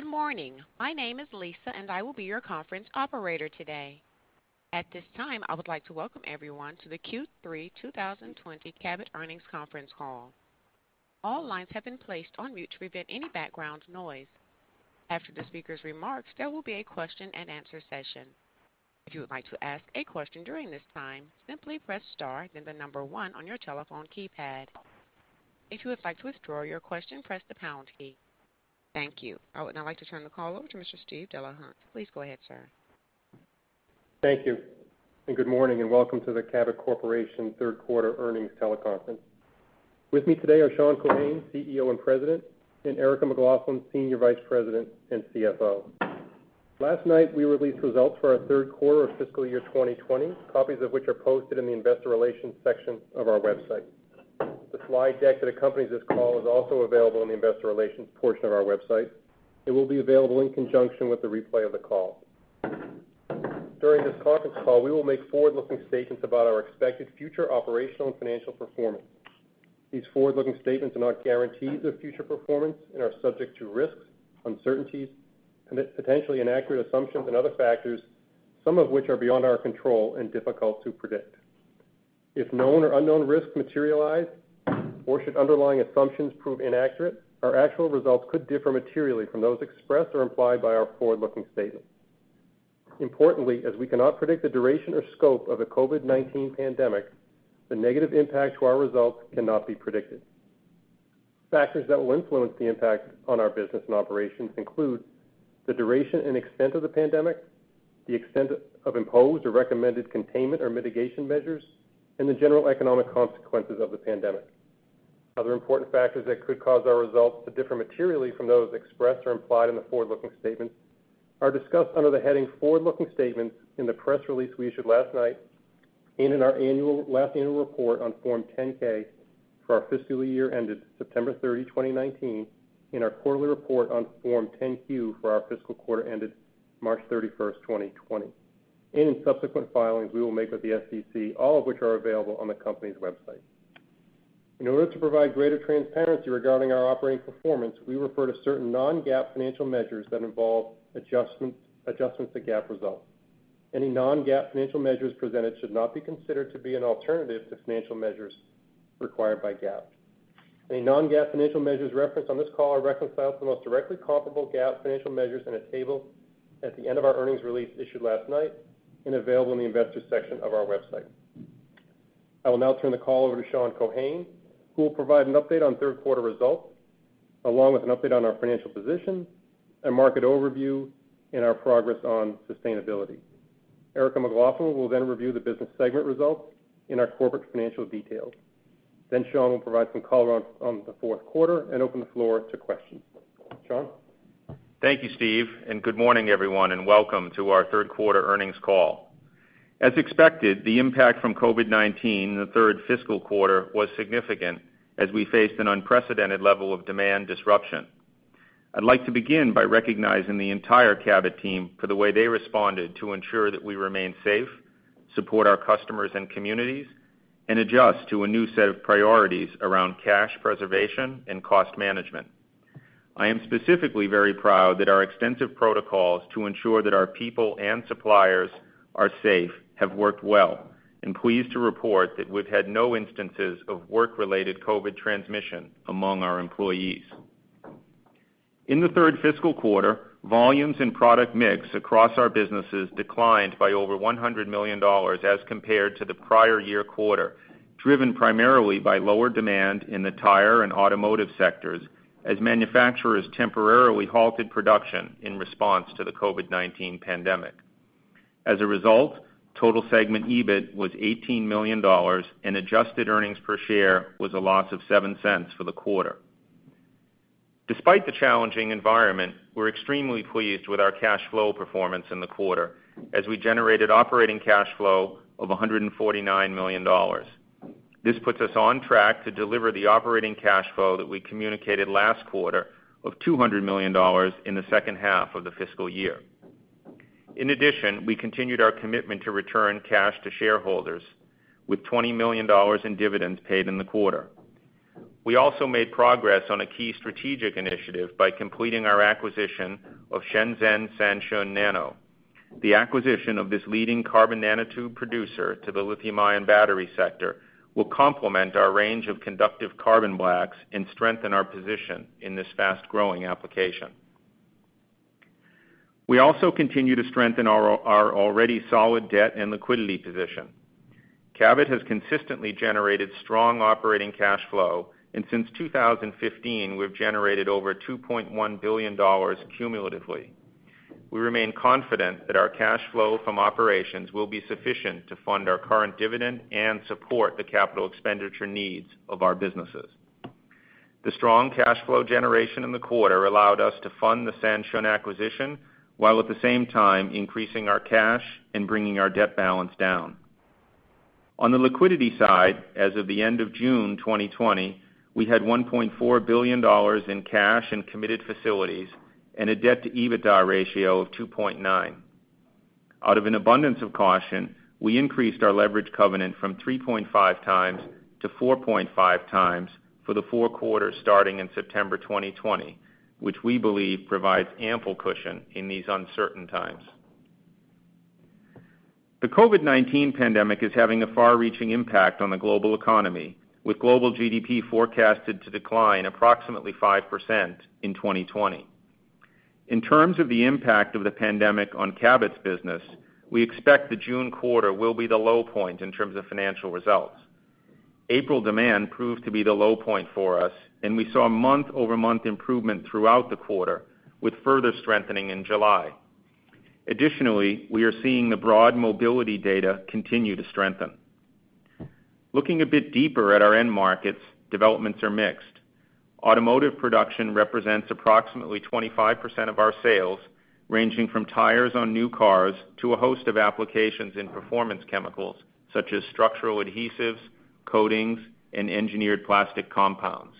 Good morning. My name is Lisa. I will be your conference operator today. At this time, I would like to welcome everyone to the Q3 2020 Cabot Earnings Conference Call. All lines have been placed on mute to prevent any background noise. After the speaker's remarks, there will be a question-and-answer session. If you would like to ask a question during this time, simply press star then the number one on your telephone keypad. If you would like to withdraw your question, press the pound key. Thank you. I would now like to turn the call over to Mr. Steve Delahunt. Please go ahead, sir. Thank you. Good morning, and welcome to the Cabot Corporation Third Quarter Earnings Teleconference. With me today are Sean Keohane, CEO and President, and Erica McLaughlin, Senior Vice President and CFO. Last night we released results for our third quarter of fiscal year 2020, copies of which are posted in the investor relations section of our website. The slide deck that accompanies this call is also available in the investor relations portion of our website. It will be available in conjunction with the replay of the call. During this conference call, we will make forward-looking statements about our expected future operational and financial performance. These forward-looking statements are not guarantees of future performance and are subject to risks, uncertainties, potentially inaccurate assumptions, and other factors, some of which are beyond our control and difficult to predict. If known or unknown risks materialize, or should underlying assumptions prove inaccurate, our actual results could differ materially from those expressed or implied by our forward-looking statements. Importantly, as we cannot predict the duration or scope of the COVID-19 pandemic, the negative impact to our results cannot be predicted. Factors that will influence the impact on our business and operations include the duration and extent of the pandemic, the extent of imposed or recommended containment or mitigation measures, and the general economic consequences of the pandemic. Other important factors that could cause our results to differ materially from those expressed or implied in the forward-looking statements are discussed under the heading Forward-Looking Statements in the press release we issued last night, and in our last annual report on Form 10-K for our fiscal year ended September 30, 2019, in our quarterly report on Form 10-Q for our fiscal quarter ended March 31st, 2020, and in subsequent filings we will make with the SEC, all of which are available on the company's website. In order to provide greater transparency regarding our operating performance, we refer to certain non-GAAP financial measures that involve adjustments to GAAP results. Any non-GAAP financial measures presented should not be considered to be an alternative to financial measures required by GAAP. Any non-GAAP financial measures referenced on this call are reconciled to the most directly comparable GAAP financial measures in a table at the end of our earnings release issued last night and available in the Investors section of our website. I will now turn the call over to Sean Keohane, who will provide an update on third quarter results, along with an update on our financial position, a market overview, and our progress on sustainability. Erica McLaughlin will review the business segment results and our corporate financial details. Sean will provide some color on the fourth quarter and open the floor to questions. Sean? Thank you, Steve, and good morning, everyone, and welcome to our third quarter earnings call. As expected, the impact from COVID-19 in the third fiscal quarter was significant as we faced an unprecedented level of demand disruption. I'd like to begin by recognizing the entire Cabot team for the way they responded to ensure that we remain safe, support our customers and communities, and adjust to a new set of priorities around cash preservation and cost management. I am specifically very proud that our extensive protocols to ensure that our people and suppliers are safe have worked well and pleased to report that we've had no instances of work-related COVID transmission among our employees. In the third fiscal quarter, volumes and product mix across our businesses declined by over $100 million as compared to the prior year quarter, driven primarily by lower demand in the tire and automotive sectors as manufacturers temporarily halted production in response to the COVID-19 pandemic. As a result, total segment EBIT was $18 million, and adjusted earnings per share was a loss of $0.07 for the quarter. Despite the challenging environment, we're extremely pleased with our cash flow performance in the quarter as we generated operating cash flow of $149 million. This puts us on track to deliver the operating cash flow that we communicated last quarter of $200 million in the second half of the fiscal year. In addition, we continued our commitment to return cash to shareholders with $20 million in dividends paid in the quarter. We also made progress on a key strategic initiative by completing our acquisition of Shenzhen Sanshun Nano. The acquisition of this leading carbon nanotube producer to the lithium-ion battery sector will complement our range of conductive carbon blacks and strengthen our position in this fast-growing application. We also continue to strengthen our already solid debt and liquidity position. Cabot has consistently generated strong operating cash flow, and since 2015, we've generated over $2.1 billion cumulatively. We remain confident that our cash flow from operations will be sufficient to fund our current dividend and support the capital expenditure needs of our businesses. The strong cash flow generation in the quarter allowed us to fund the Sanshun acquisition while at the same time increasing our cash and bringing our debt balance down. On the liquidity side, as of the end of June 2020, we had $1.4 billion in cash and committed facilities and a debt to EBITDA ratio of 2.9. Out of an abundance of caution, we increased our leverage covenant from 3.5x to 4.5x for the four quarters starting in September 2020, which we believe provides ample cushion in these uncertain times. The COVID-19 pandemic is having a far-reaching impact on the global economy, with global GDP forecasted to decline approximately 5% in 2020. In terms of the impact of the pandemic on Cabot's business, we expect the June quarter will be the low point in terms of financial results. April demand proved to be the low point for us, and we saw month-over-month improvement throughout the quarter, with further strengthening in July. Additionally, we are seeing the broad mobility data continue to strengthen. Looking a bit deeper at our end markets, developments are mixed. Automotive production represents approximately 25% of our sales, ranging from tires on new cars to a host of applications in Performance Chemicals such as structural adhesives, coatings, and engineered plastic compounds.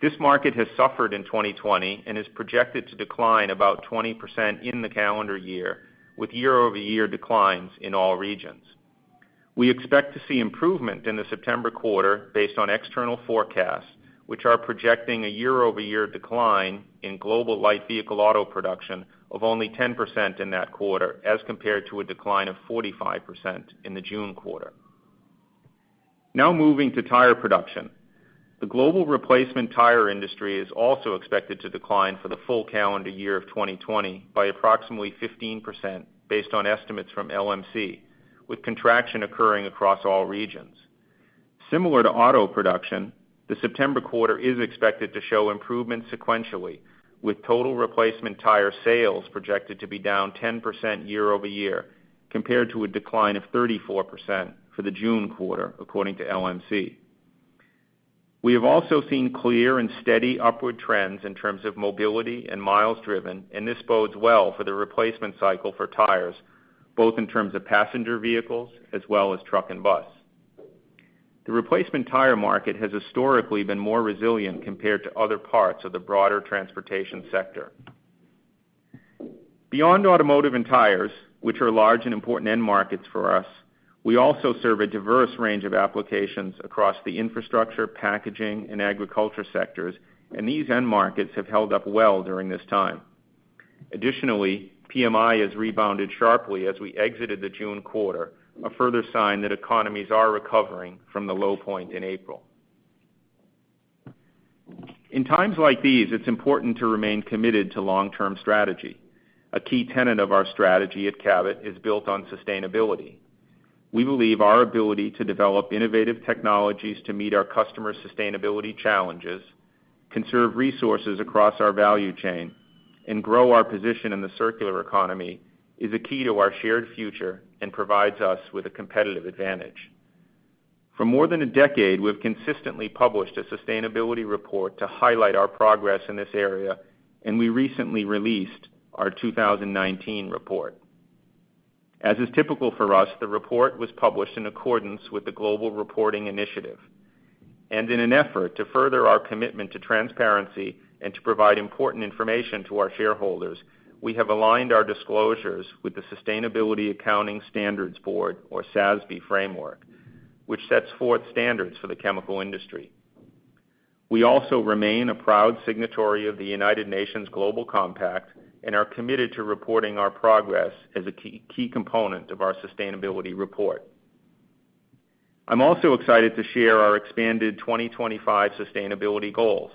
This market has suffered in 2020 and is projected to decline about 20% in the calendar year, with year-over-year declines in all regions. We expect to see improvement in the September quarter based on external forecasts, which are projecting a year-over-year decline in global light vehicle auto production of only 10% in that quarter, as compared to a decline of 45% in the June quarter. Now moving to tire production. The global replacement tire industry is also expected to decline for the full calendar year of 2020 by approximately 15%, based on estimates from LMC, with contraction occurring across all regions. Similar to auto production, the September quarter is expected to show improvement sequentially, with total replacement tire sales projected to be down 10% year-over-year, compared to a decline of 34% for the June quarter, according to LMC. This bodes well for the replacement cycle for tires, both in terms of passenger vehicles as well as truck and bus. The replacement tire market has historically been more resilient compared to other parts of the broader transportation sector. Beyond automotive and tires, which are large and important end markets for us, we also serve a diverse range of applications across the infrastructure, packaging, and agriculture sectors. These end markets have held up well during this time. Additionally, PMI has rebounded sharply as we exited the June quarter, a further sign that economies are recovering from the low point in April. In times like these, it's important to remain committed to long-term strategy. A key tenet of our strategy at Cabot is built on sustainability. We believe our ability to develop innovative technologies to meet our customers' sustainability challenges, conserve resources across our value chain, and grow our position in the circular economy is a key to our shared future and provides us with a competitive advantage. For more than a decade, we've consistently published a sustainability report to highlight our progress in this area, and we recently released our 2019 report. As is typical for us, the report was published in accordance with the Global Reporting Initiative. In an effort to further our commitment to transparency and to provide important information to our shareholders, we have aligned our disclosures with the Sustainability Accounting Standards Board, or SASB framework, which sets forth standards for the chemical industry. We also remain a proud signatory of the United Nations Global Compact and are committed to reporting our progress as a key component of our sustainability report. I'm also excited to share our expanded 2025 sustainability goals.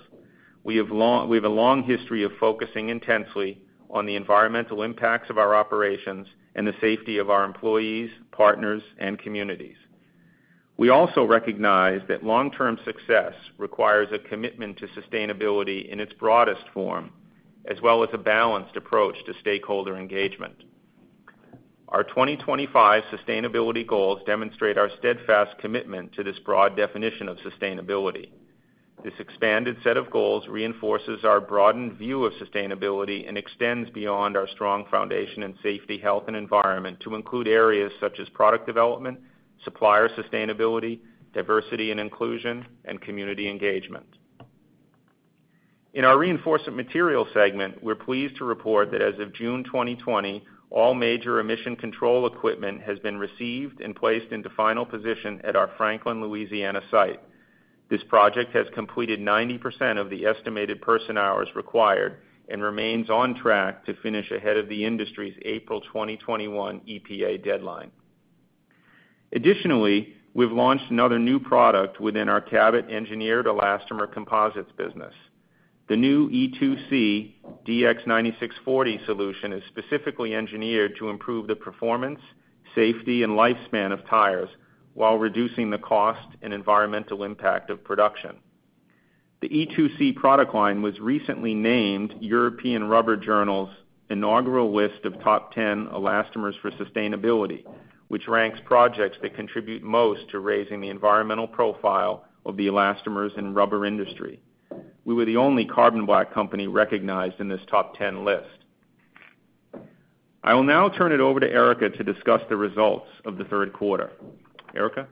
We have a long history of focusing intensely on the environmental impacts of our operations and the safety of our employees, partners, and communities. We also recognize that long-term success requires a commitment to sustainability in its broadest form, as well as a balanced approach to stakeholder engagement. Our 2025 sustainability goals demonstrate our steadfast commitment to this broad definition of sustainability. This expanded set of goals reinforces our broadened view of sustainability and extends beyond our strong foundation in safety, health, and environment to include areas such as product development, supplier sustainability, diversity and inclusion, and community engagement. In our Reinforcement Materials segment, we're pleased to report that as of June 2020, all major emission control equipment has been received and placed into final position at our Franklin, Louisiana site. This project has completed 90% of the estimated person-hours required and remains on track to finish ahead of the industry's April 2021 EPA deadline. Additionally, we've launched another new product within our Cabot Engineered Elastomer Composites business. The new E2C DX9640 solution is specifically engineered to improve the performance, safety, and lifespan of tires while reducing the cost and environmental impact of production. The E2C product line was recently named European Rubber Journal's inaugural list of Top 10 Elastomers for Sustainability, which ranks projects that contribute most to raising the environmental profile of the elastomers and rubber industry. We were the only carbon black company recognized in this top 10 list. I will now turn it over to Erica to discuss the results of the third quarter. Erica?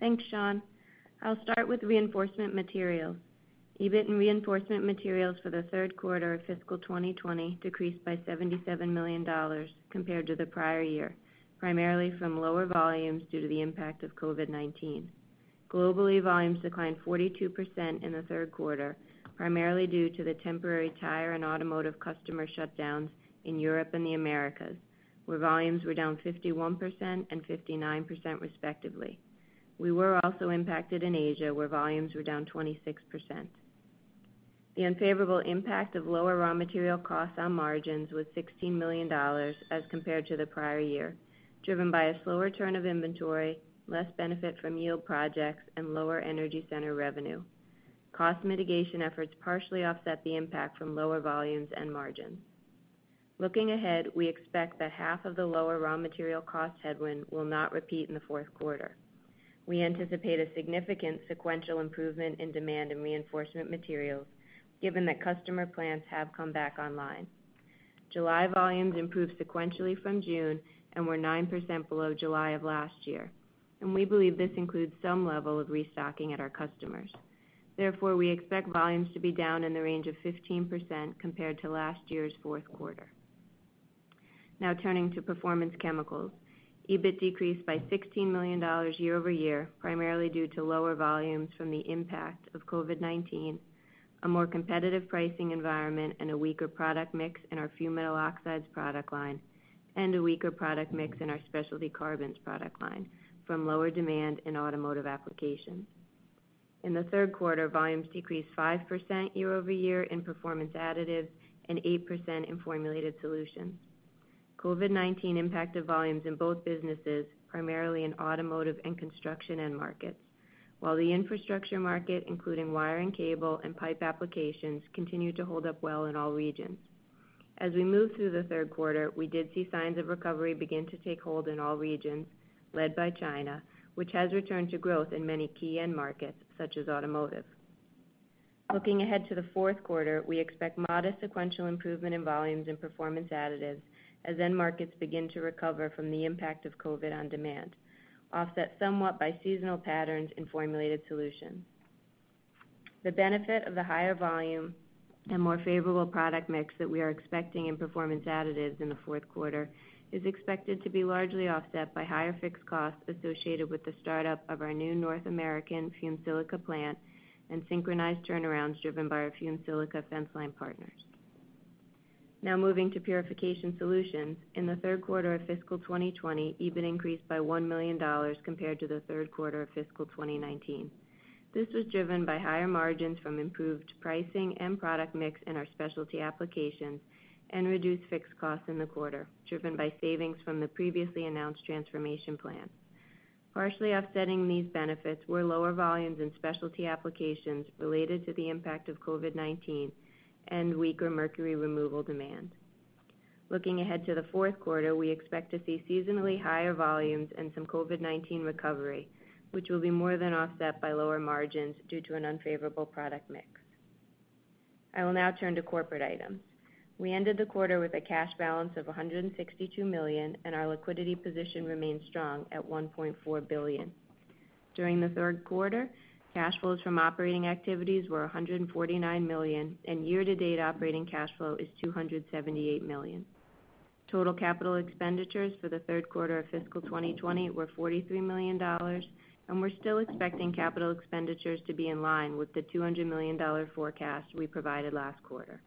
Thanks, Sean. I'll start with Reinforcement Materials. EBIT in Reinforcement Materials for the third quarter of fiscal 2020 decreased by $77 million compared to the prior year, primarily from lower volumes due to the impact of COVID-19. Globally, volumes declined 42% in the third quarter, primarily due to the temporary tire and automotive customer shutdowns in Europe and the Americas, where volumes were down 51% and 59%, respectively. We were also impacted in Asia, where volumes were down 26%. The unfavorable impact of lower raw material costs on margins was $16 million as compared to the prior year, driven by a slower turn of inventory, less benefit from yield projects, and lower energy center revenue. Cost mitigation efforts partially offset the impact from lower volumes and margins. Looking ahead, we expect that half of the lower raw material cost headwind will not repeat in the fourth quarter. We anticipate a significant sequential improvement in demand in Reinforcement Materials, given that customer plants have come back online. July volumes improved sequentially from June and were 9% below July of last year. We believe this includes some level of restocking at our customers. Therefore, we expect volumes to be down in the range of 15% compared to last year's fourth quarter. Now turning to Performance Chemicals. EBIT decreased by $16 million year-over-year, primarily due to lower volumes from the impact of COVID-19, a more competitive pricing environment, and a weaker product mix in our Fumed Metal Oxides product line, and a weaker product mix in our Specialty Carbons product line from lower demand in automotive applications. In the third quarter, volumes decreased 5% year-over-year in Performance Additives and 8% in Formulated Solutions. COVID-19 impacted volumes in both businesses, primarily in automotive and construction end markets. While the infrastructure market, including wire and cable and pipe applications, continued to hold up well in all regions. As we moved through the third quarter, we did see signs of recovery begin to take hold in all regions, led by China, which has returned to growth in many key end markets, such as automotive. Looking ahead to the fourth quarter, we expect modest sequential improvement in volumes in performance additives as end markets begin to recover from the impact of COVID on demand, offset somewhat by seasonal patterns in formulated solutions. The benefit of the higher volume and more favorable product mix that we are expecting in performance additives in the fourth quarter is expected to be largely offset by higher fixed costs associated with the startup of our new North American fumed silica plant and synchronized turnarounds driven by our fumed silica fence line partners. Moving to Purification Solutions. In the third quarter of fiscal 2020, EBIT increased by $1 million compared to the third quarter of fiscal 2019. This was driven by higher margins from improved pricing and product mix in our specialty applications and reduced fixed costs in the quarter, driven by savings from the previously announced transformation plan. Partially offsetting these benefits were lower volumes in specialty applications related to the impact of COVID-19 and weaker mercury removal demand. Looking ahead to the fourth quarter, we expect to see seasonally higher volumes and some COVID-19 recovery, which will be more than offset by lower margins due to an unfavorable product mix. I will now turn to corporate items. We ended the quarter with a cash balance of $162 million, and our liquidity position remains strong at $1.4 billion. During the third quarter, cash flows from operating activities were $149 million, and year-to-date operating cash flow is $278 million. Total capital expenditures for the third quarter of fiscal 2020 were $43 million, and we're still expecting capital expenditures to be in line with the $200 million forecast we provided last quarter.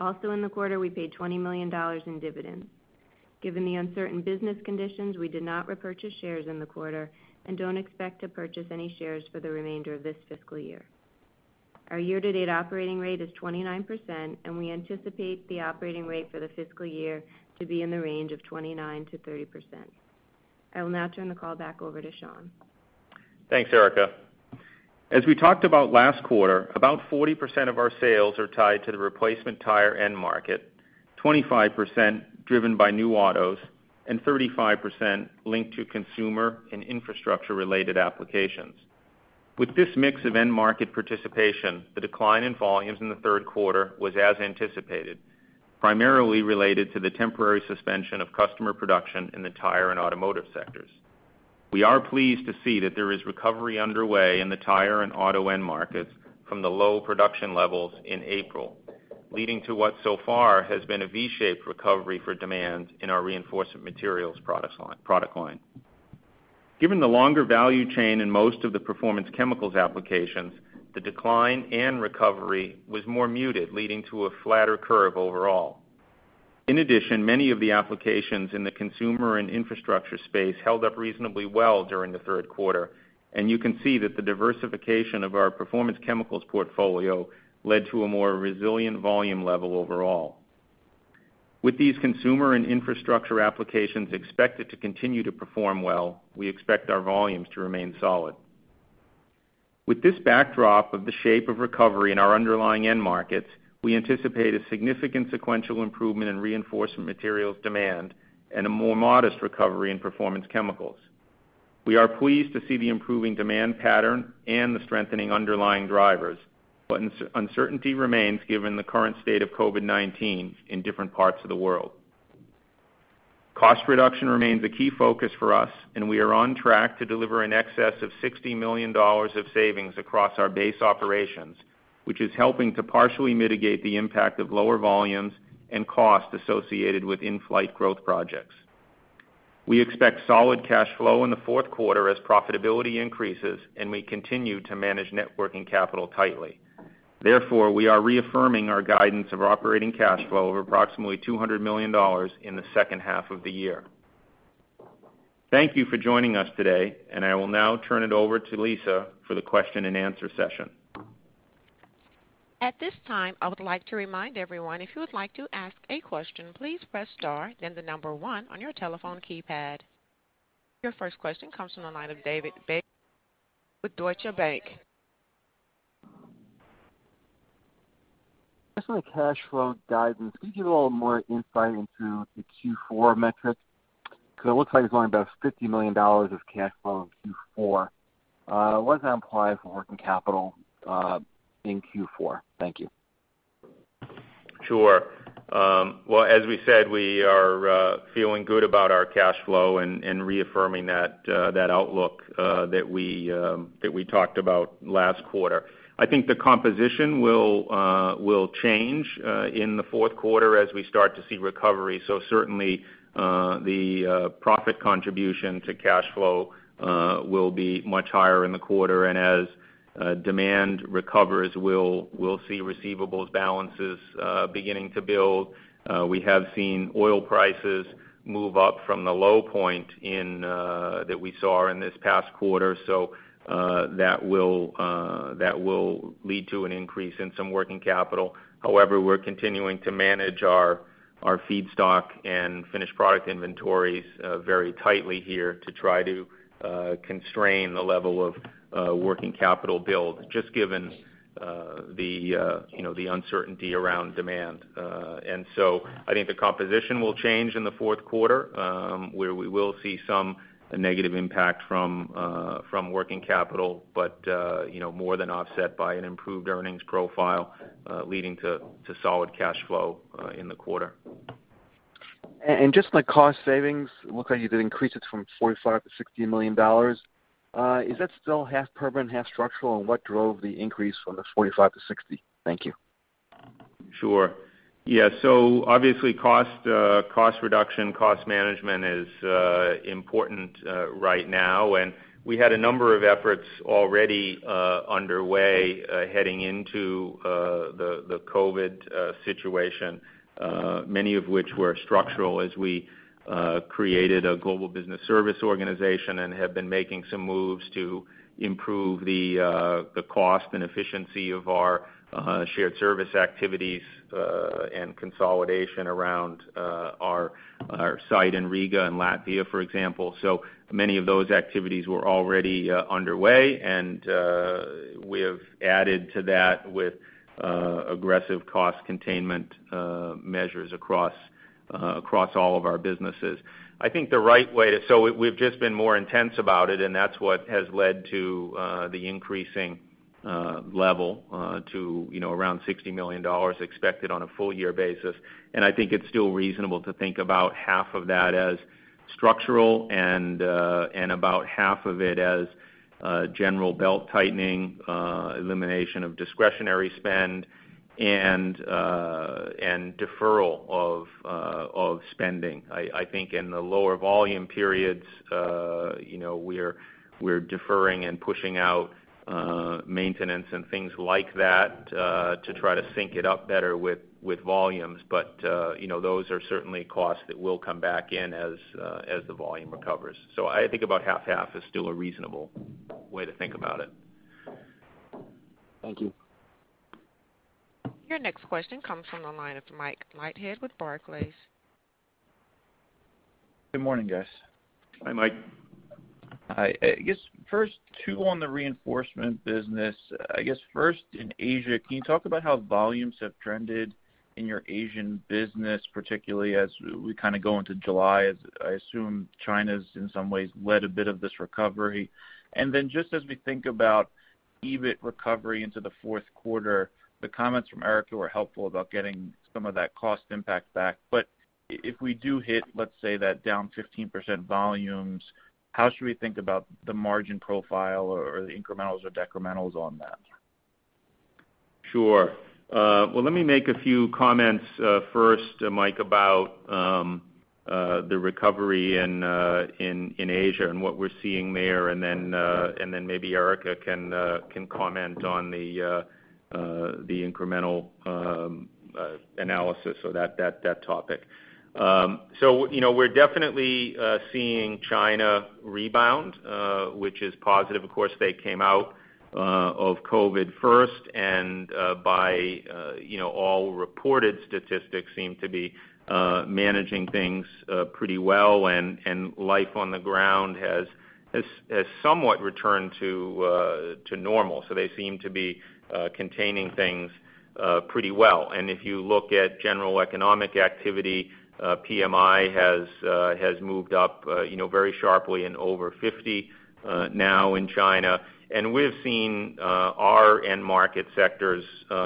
Also in the quarter, we paid $20 million in dividends. Given the uncertain business conditions, we did not repurchase shares in the quarter and don't expect to purchase any shares for the remainder of this fiscal year. Our year-to-date operating rate is 29%, and we anticipate the operating rate for the fiscal year to be in the range of 29%-30%. I will now turn the call back over to Sean. Thanks, Erica. As we talked about last quarter, about 40% of our sales are tied to the replacement tire end market, 25% driven by new autos, and 35% linked to consumer and infrastructure-related applications. With this mix of end market participation, the decline in volumes in the third quarter was as anticipated, primarily related to the temporary suspension of customer production in the tire and automotive sectors. We are pleased to see that there is recovery underway in the tire and auto end markets from the low production levels in April, leading to what so far has been a V-shaped recovery for demand in our Reinforcement Materials product line. Given the longer value chain in most of the Performance Chemicals applications, the decline and recovery was more muted, leading to a flatter curve overall. In addition, many of the applications in the consumer and infrastructure space held up reasonably well during the third quarter, and you can see that the diversification of our Performance Chemicals portfolio led to a more resilient volume level overall. With these consumer and infrastructure applications expected to continue to perform well, we expect our volumes to remain solid. With this backdrop of the shape of recovery in our underlying end markets, we anticipate a significant sequential improvement in Reinforcement Materials demand and a more modest recovery in Performance Chemicals. We are pleased to see the improving demand pattern and the strengthening underlying drivers, but uncertainty remains given the current state of COVID-19 in different parts of the world. Cost reduction remains a key focus for us, and we are on track to deliver in excess of $60 million of savings across our base operations, which is helping to partially mitigate the impact of lower volumes and cost associated with in-flight growth projects. We expect solid cash flow in the fourth quarter as profitability increases, and we continue to manage net working capital tightly. We are reaffirming our guidance of operating cash flow of approximately $200 million in the second half of the year. Thank you for joining us today, and I will now turn it over to Lisa for the question and answer session. At this time, I would like to remind everyone, if you would like to ask a question, please press star, then the number one on your telephone keypad. Your first question comes from the line of David Begleiter with Deutsche Bank. Just on the cash flow guidance, could you give a little more insight into the Q4 metrics? Because it looks like there's only about $50 million of cash flow in Q4. What does that imply for working capital in Q4? Thank you. Sure. Well, as we said, we are feeling good about our cash flow and reaffirming that outlook that we talked about last quarter. I think the composition will change in the fourth quarter as we start to see recovery. Certainly, the profit contribution to cash flow will be much higher in the quarter, and as demand recovers, we'll see receivables balances beginning to build. We have seen oil prices move up from the low point that we saw in this past quarter. That will lead to an increase in some working capital. However, we're continuing to manage our feedstock and finished product inventories very tightly here to try to constrain the level of working capital build, just given the uncertainty around demand. I think the composition will change in the fourth quarter, where we will see some negative impact from working capital. More than offset by an improved earnings profile leading to solid cash flow in the quarter. Just on the cost savings, it looks like you did increase it from $45 million-$60 million. Is that still half permanent, half structural? What drove the increase from the 45 to 60? Thank you. Sure. Yeah. Obviously, cost reduction, cost management is important right now, and we had a number of efforts already underway heading into the COVID-19 situation. Many of which were structural as we created a global business service organization and have been making some moves to improve the cost and efficiency of our shared service activities, and consolidation around our site in Riga, Latvia, for example. Many of those activities were already underway, and we have added to that with aggressive cost containment measures across all of our businesses. We've just been more intense about it, and that's what has led to the increasing level to around $60 million expected on a full-year basis. I think it's still reasonable to think about half of that as structural and about half of it as general belt-tightening, elimination of discretionary spend and deferral of spending. I think in the lower volume periods, we're deferring and pushing out maintenance and things like that to try to sync it up better with volumes. Those are certainly costs that will come back in as the volume recovers. I think about half-half is still a reasonable way to think about it. Thank you. Your next question comes from the line of Mike Leithead with Barclays. Good morning, guys. Hi, Mike. Hi. I guess first two on the reinforcement materials. I guess first in Asia, can you talk about how volumes have trended in your Asian business, particularly as we go into July, as I assume China's in some ways led a bit of this recovery. Then just as we think about EBIT recovery into the fourth quarter, the comments from Erica McLaughlin were helpful about getting some of that cost impact back. If we do hit, let's say, that down 15% volumes, how should we think about the margin profile or the incrementals or decrementals on that? Sure. Well, let me make a few comments first, Mike, about the recovery in Asia and what we're seeing there, and then maybe Erica can comment on the incremental analysis of that topic. We're definitely seeing China rebound, which is positive. Of course, they came out of COVID first and by all reported statistics seem to be managing things pretty well, and life on the ground has somewhat returned to normal. They seem to be containing things pretty well. If you look at general economic activity, PMI has moved up very sharply and over 50 now in China. We've seen our end market sectors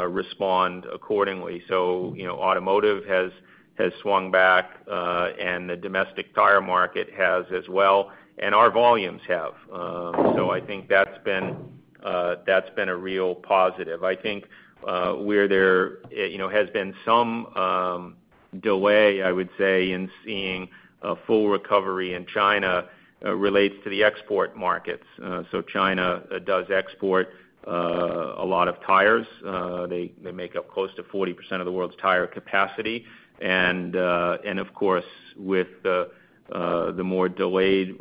respond accordingly. Automotive has swung back, and the domestic tire market has as well, and our volumes have. I think that's been a real positive. I think where there has been some delay, I would say, in seeing a full recovery in China relates to the export markets. China does export a lot of tires. They make up close to 40% of the world's tire capacity. Of course, with the more delayed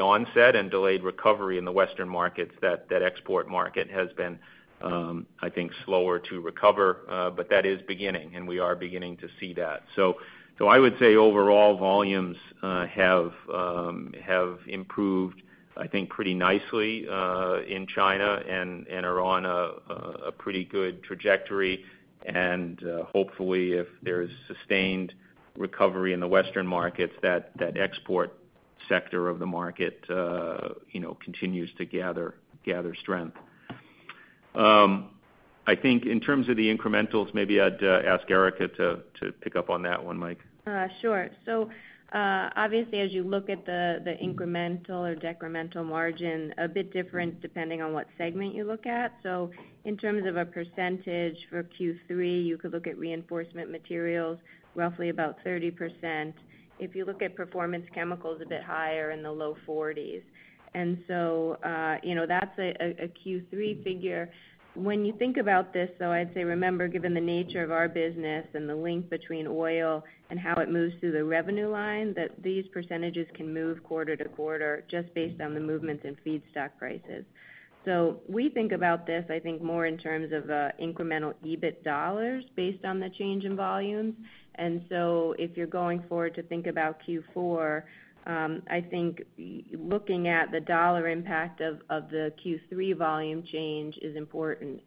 onset and delayed recovery in the Western markets, that export market has been, I think, slower to recover. That is beginning, and we are beginning to see that. I would say overall volumes have improved, I think, pretty nicely in China and are on a pretty good trajectory. Hopefully, if there's sustained recovery in the Western markets, that export sector of the market continues to gather strength. I think in terms of the incrementals, maybe I'd ask Erica to pick up on that one, Mike. Sure. Obviously as you look at the incremental or decremental margin, a bit different depending on what segment you look at. In terms of a percentage for Q3, you could look at reinforcement materials, roughly about 30%. If you look at performance chemicals, a bit higher in the low 40s. That's a Q3 figure. When you think about this, though, I'd say remember, given the nature of our business and the link between oil and how it moves through the revenue line, that these percentages can move quarter-to-quarter just based on the movements in feedstock prices. We think about this, I think, more in terms of incremental EBIT dollars based on the change in volumes. If you're going forward to think about Q4, I think looking at the dollar impact of the Q3 volume change is important.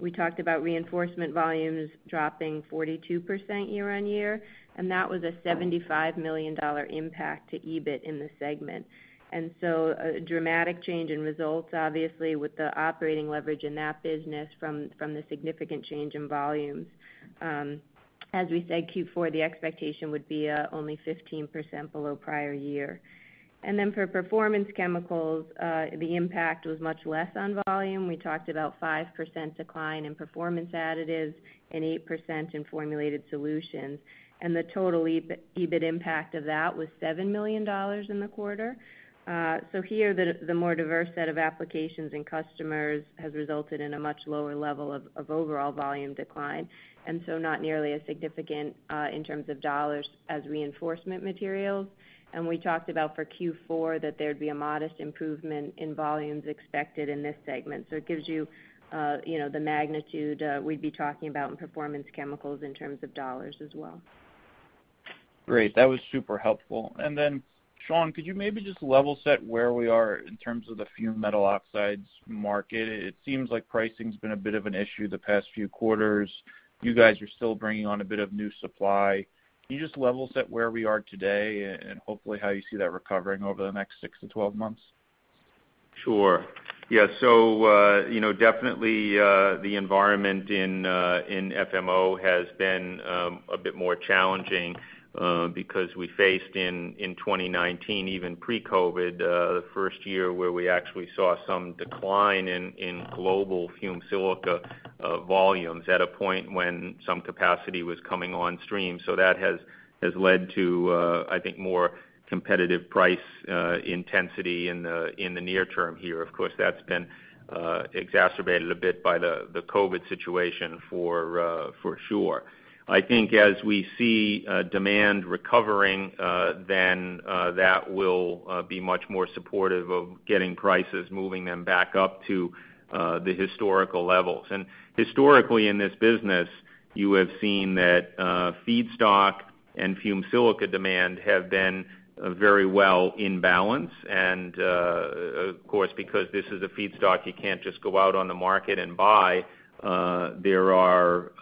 We talked about Reinforcement Materials volumes dropping 42% year-on-year, and that was a $75 million impact to EBIT in the segment. A dramatic change in results, obviously, with the operating leverage in that business from the significant change in volumes. As we said, Q4, the expectation would be only 15% below prior year. For Performance Chemicals, the impact was much less on volume. We talked about 5% decline in performance additives and 8% in formulated solutions. The total EBIT impact of that was $7 million in the quarter. Here, the more diverse set of applications and customers has resulted in a much lower level of overall volume decline, not nearly as significant in terms of dollars as Reinforcement Materials. We talked about for Q4, that there'd be a modest improvement in volumes expected in this segment. It gives you the magnitude we'd be talking about in Performance Chemicals in terms of dollars as well. Great. That was super helpful. Sean, could you maybe just level set where we are in terms of the fumed metal oxides market? It seems like pricing's been a bit of an issue the past few quarters. You guys are still bringing on a bit of new supply. Can you just level set where we are today and hopefully how you see that recovering over the next 6-12 months? Sure. Yeah. Definitely the environment in FMO has been a bit more challenging because we faced in 2019, even pre-COVID, the first year where we actually saw some decline in global fumed silica volumes at a point when some capacity was coming on stream. That has led to, I think, more competitive price intensity in the near term here. Of course, that's been exacerbated a bit by the COVID situation for sure. I think as we see demand recovering, then that will be much more supportive of getting prices, moving them back up to the historical levels. Historically in this business, you have seen that feedstock and fumed silica demand have been very well in balance. Of course, because this is a feedstock you can't just go out on the market and buy, there are,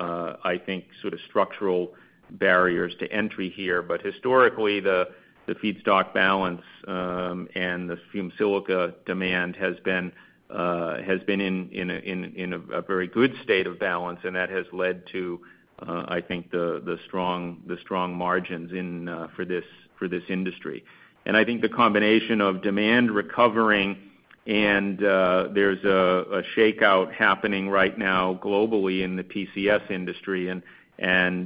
I think, sort of structural barriers to entry here. Historically, the feedstock balance, and the fumed silica demand has been in a very good state of balance, and that has led to, I think, the strong margins for this industry. I think the combination of demand recovering and there's a shakeout happening right now globally in the PCS industry, and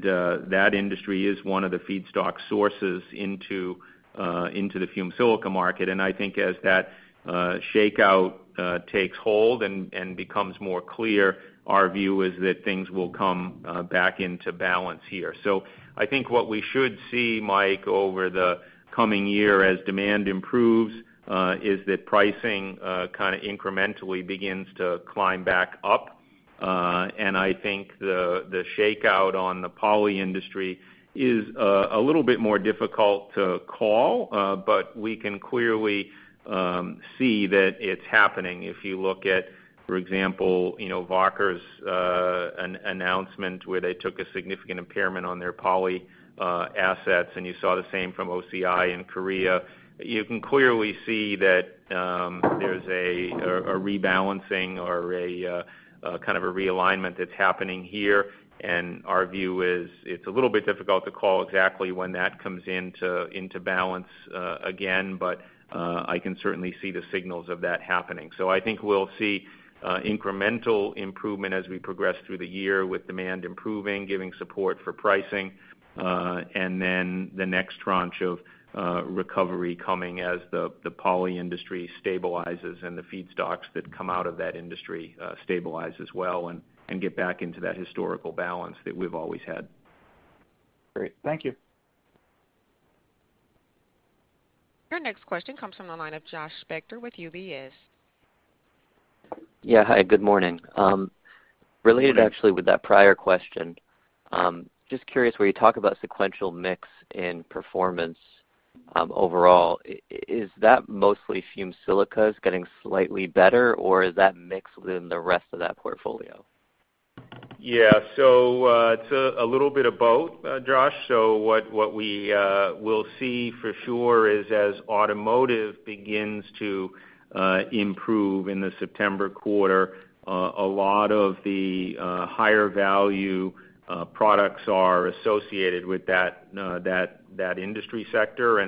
that industry is one of the feedstock sources into the fumed silica market. I think as that shakeout takes hold and becomes more clear, our view is that things will come back into balance here. I think what we should see, Mike, over the coming year as demand improves, is that pricing kind of incrementally begins to climb back up. I think the shakeout on the poly industry is a little bit more difficult to call. We can clearly see that it's happening. If you look at, for example, Wacker's announcement where they took a significant impairment on their poly assets, and you saw the same from OCI in Korea. You can clearly see that there's a rebalancing or a kind of a realignment that's happening here. Our view is it's a little bit difficult to call exactly when that comes into balance again, but I can certainly see the signals of that happening. I think we'll see incremental improvement as we progress through the year with demand improving, giving support for pricing. The next tranche of recovery coming as the poly industry stabilizes and the feedstocks that come out of that industry stabilize as well and get back into that historical balance that we've always had. Great. Thank you. Your next question comes from the line of Josh Spector with UBS. Yeah. Hi, good morning. Related actually with that prior question, just curious where you talk about sequential mix in performance overall, is that mostly fumed silica is getting slightly better, or is that mixed within the rest of that portfolio? Yeah. It's a little bit of both, Josh. What we will see for sure is as automotive begins to improve in the September quarter, a lot of the higher value products are associated with that industry sector.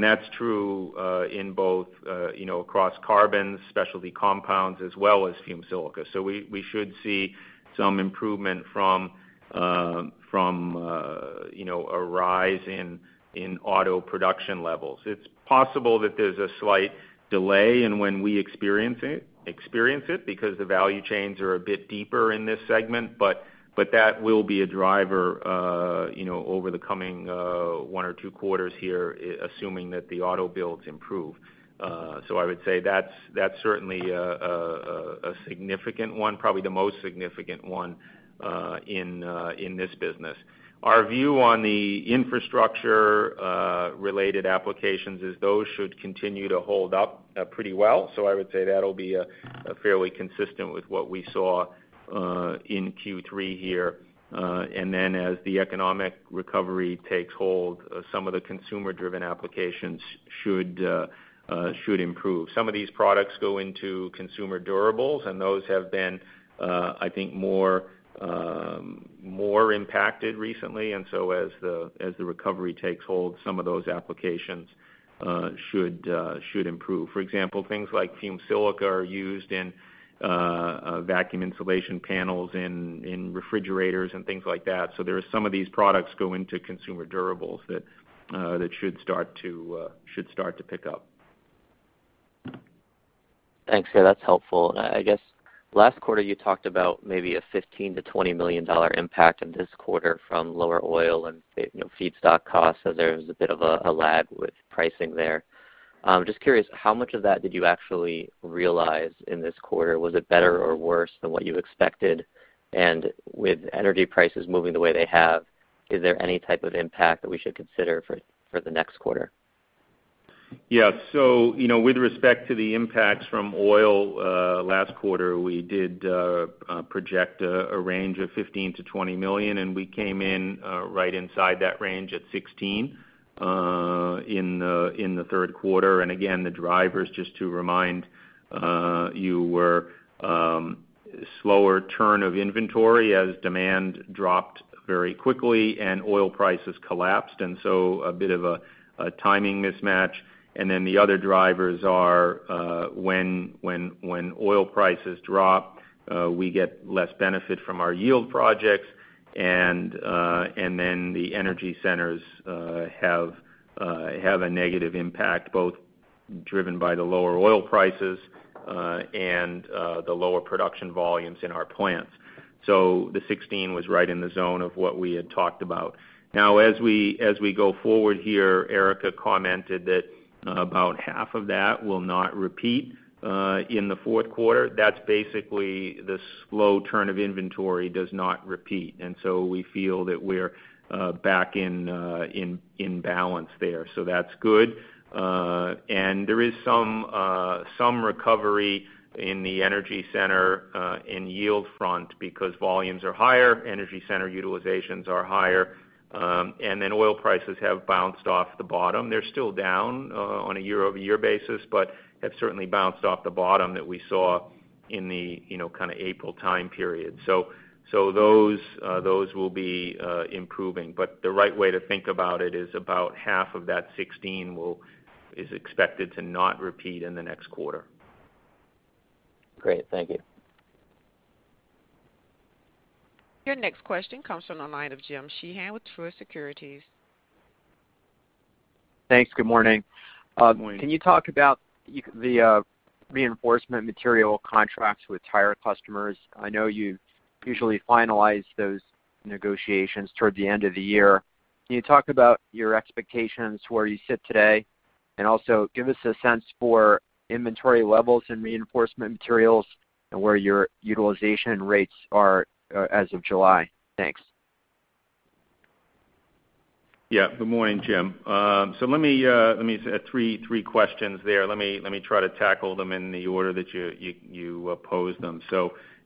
That's true in both across carbons, specialty compounds, as well as fumed silica. We should see some improvement from a rise in auto production levels. It's possible that there's a slight delay in when we experience it, because the value chains are a bit deeper in this segment. That will be a driver over the coming one or two quarters here, assuming that the auto builds improve. I would say that's certainly a significant one, probably the most significant one in this business. Our view on the infrastructure-related applications is those should continue to hold up pretty well. I would say that'll be fairly consistent with what we saw in Q3 here. As the economic recovery takes hold, some of the consumer-driven applications should improve. Some of these products go into consumer durables, and those have been I think more impacted recently. As the recovery takes hold, some of those applications should improve. For example, things like fumed silica are used in vacuum insulation panels in refrigerators and things like that. There are some of these products go into consumer durables that should start to pick up. Thanks. Yeah, that's helpful. I guess last quarter you talked about maybe a $15 million-$20 million impact in this quarter from lower oil and feedstock costs. There was a bit of a lag with pricing there. Just curious, how much of that did you actually realize in this quarter? Was it better or worse than what you expected? With energy prices moving the way they have, is there any type of impact that we should consider for the next quarter? With respect to the impacts from oil, last quarter, we did project a range of $15 million-$20 million, we came in right inside that range at $16 in the third quarter. Again, the drivers, just to remind you, were slower turn of inventory as demand dropped very quickly and oil prices collapsed. A bit of a timing mismatch. The other drivers are when oil prices drop, we get less benefit from our yield projects. The energy centers have a negative impact, both driven by the lower oil prices and the lower production volumes in our plants. The $16 was right in the zone of what we had talked about. Now as we go forward here, Erica commented that about half of that will not repeat in the fourth quarter. That's basically the slow turn of inventory does not repeat. We feel that we're back in balance there. That's good. There is some recovery in the energy center in yield front because volumes are higher, energy center utilizations are higher, and then oil prices have bounced off the bottom. They're still down on a year-over-year basis, but have certainly bounced off the bottom that we saw in the April time period. Those will be improving, but the right way to think about it is about half of that $16 is expected to not repeat in the next quarter. Great. Thank you. Your next question comes from the line of Jim Sheehan with Truist Securities. Thanks. Good morning. Good morning. Can you talk about the Reinforcement Materials contracts with tire customers? I know you usually finalize those negotiations toward the end of the year. Can you talk about your expectations where you sit today? Also give us a sense for inventory levels in Reinforcement Materials and where your utilization rates are as of July? Thanks. Yeah. Good morning, Jim. Three questions there. Let me try to tackle them in the order that you posed them.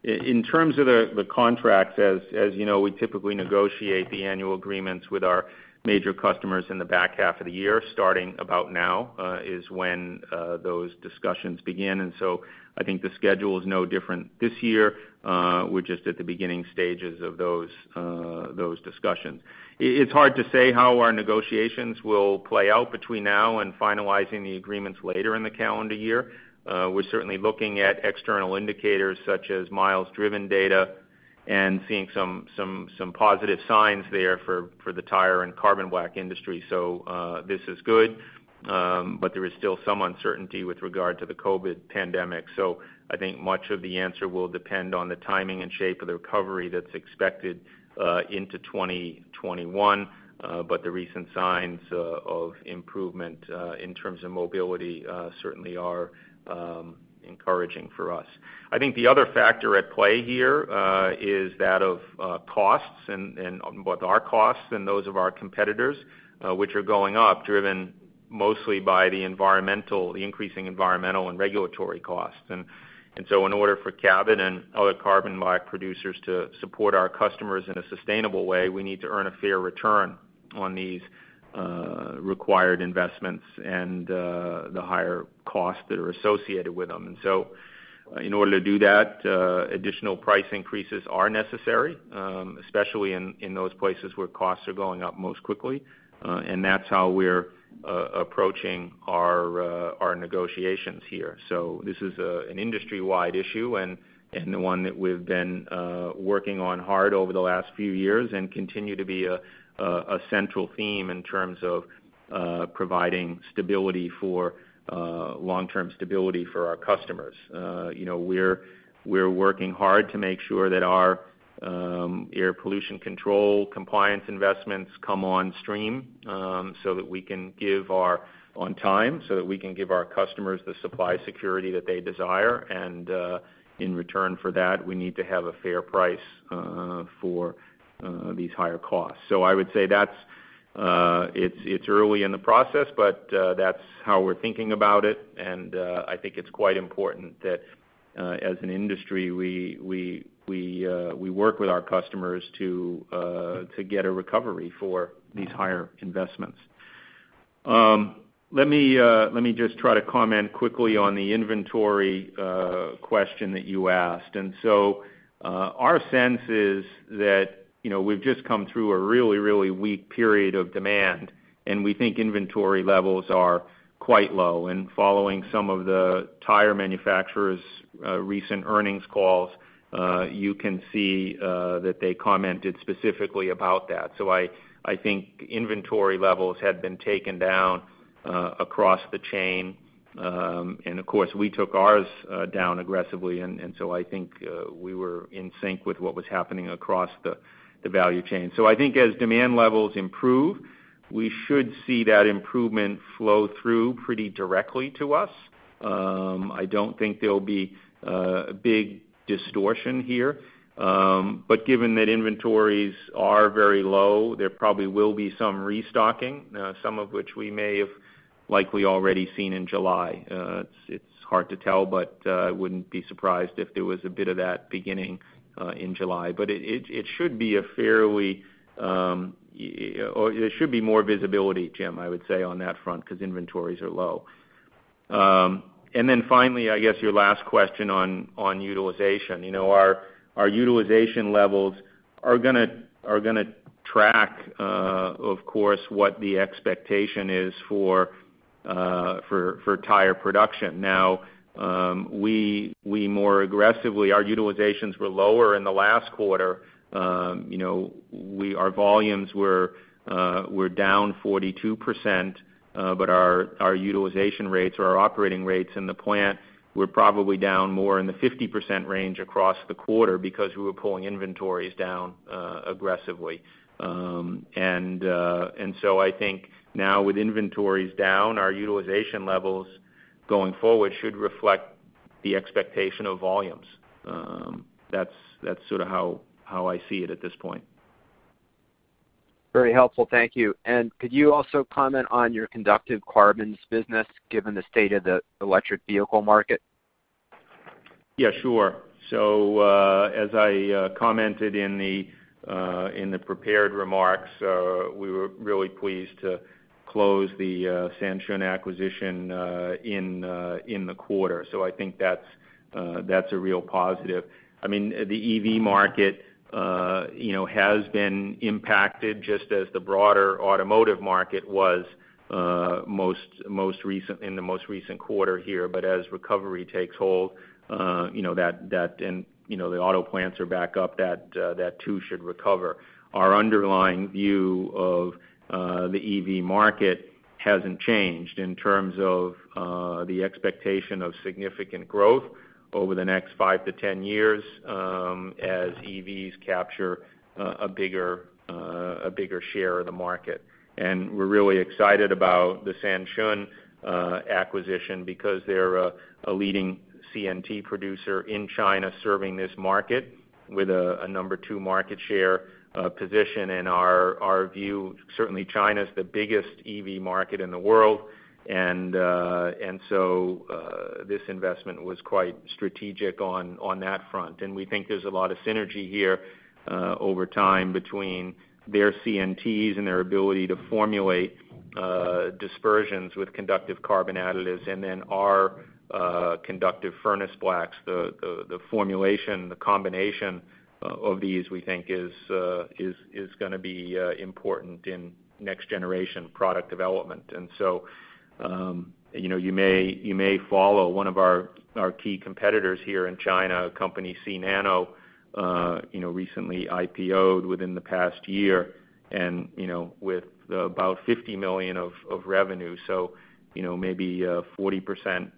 In terms of the contracts, as you know, we typically negotiate the annual agreements with our major customers in the back half of the year. Starting about now, is when those discussions begin. I think the schedule is no different this year. We're just at the beginning stages of those discussions. It's hard to say how our negotiations will play out between now and finalizing the agreements later in the calendar year. We're certainly looking at external indicators such as miles driven data. Seeing some positive signs there for the tire and carbon black industry. This is good, but there is still some uncertainty with regard to the COVID pandemic. I think much of the answer will depend on the timing and shape of the recovery that's expected into 2021. The recent signs of improvement in terms of mobility certainly are encouraging for us. I think the other factor at play here, is that of costs and both our costs and those of our competitors, which are going up, driven mostly by the increasing environmental and regulatory costs. In order for Cabot and other carbon black producers to support our customers in a sustainable way, we need to earn a fair return on these required investments and the higher costs that are associated with them. In order to do that, additional price increases are necessary, especially in those places where costs are going up most quickly. That's how we're approaching our negotiations here. This is an industry-wide issue and one that we've been working on hard over the last few years and continue to be a central theme in terms of providing long-term stability for our customers. We're working hard to make sure that our air pollution control compliance investments come on stream on time, so that we can give our customers the supply security that they desire. In return for that, we need to have a fair price for these higher costs. I would say it's early in the process, but that's how we're thinking about it. I think it's quite important that as an industry, we work with our customers to get a recovery for these higher investments. Let me just try to comment quickly on the inventory question that you asked. Our sense is that we've just come through a really weak period of demand, and we think inventory levels are quite low. Following some of the tire manufacturers' recent earnings calls, you can see that they commented specifically about that. I think inventory levels had been taken down across the chain. Of course, we took ours down aggressively, and I think we were in sync with what was happening across the value chain. I think as demand levels improve, we should see that improvement flow through pretty directly to us. I don't think there'll be a big distortion here. Given that inventories are very low, there probably will be some restocking, some of which we may have likely already seen in July. It's hard to tell, but I wouldn't be surprised if there was a bit of that beginning in July. There should be more visibility, Jim, I would say, on that front, because inventories are low. Finally, I guess your last question on utilization. Our utilization levels are going to track, of course, what the expectation is for tire production. Now, our utilizations were lower in the last quarter. Our volumes were down 42%, but our utilization rates or our operating rates in the plant were probably down more in the 50% range across the quarter because we were pulling inventories down aggressively. I think now with inventories down, our utilization levels going forward should reflect the expectation of volumes. That's sort of how I see it at this point. Very helpful. Thank you. Could you also comment on your conductive carbons business given the state of the electric vehicle market? Yeah, sure. As I commented in the prepared remarks, we were really pleased to close the Sanshun acquisition in the quarter. I think that's a real positive. The EV market has been impacted just as the broader automotive market was in the most recent quarter here. As recovery takes hold, and the auto plants are back up, that too should recover. Our underlying view of the EV market hasn't changed in terms of the expectation of significant growth over the next five to 10 years as EVs capture a bigger share of the market. We're really excited about the Sanshun acquisition because they're a leading CNT producer in China serving this market with a number two market share position. Our view, certainly China is the biggest EV market in the world. This investment was quite strategic on that front. We think there's a lot of synergy here over time between their CNTs and their ability to formulate dispersions with conductive carbon additives and then our conductive furnace blacks. The formulation, the combination of these, we think is going to be important in next generation product development. You may follow one of our key competitors here in China, a company, Cnano, recently IPO'd within the past year, and with about $50 million of revenue. Maybe a 40%,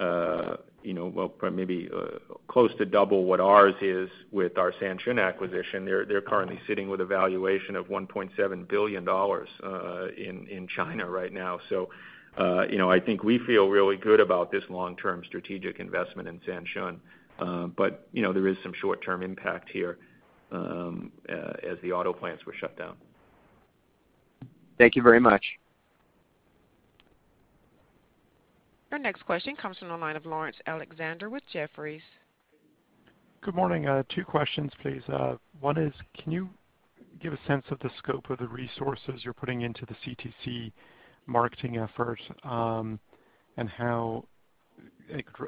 well, maybe close to double what ours is with our Sanshun acquisition. They're currently sitting with a valuation of $1.7 billion in China right now. I think we feel really good about this long-term strategic investment in Sanshun. There is some short-term impact here as the auto plants were shut down. Thank you very much. Our next question comes from the line of Laurence Alexander with Jefferies. Good morning. Two questions, please. One is, can you give a sense of the scope of the resources you're putting into the E2C marketing effort? How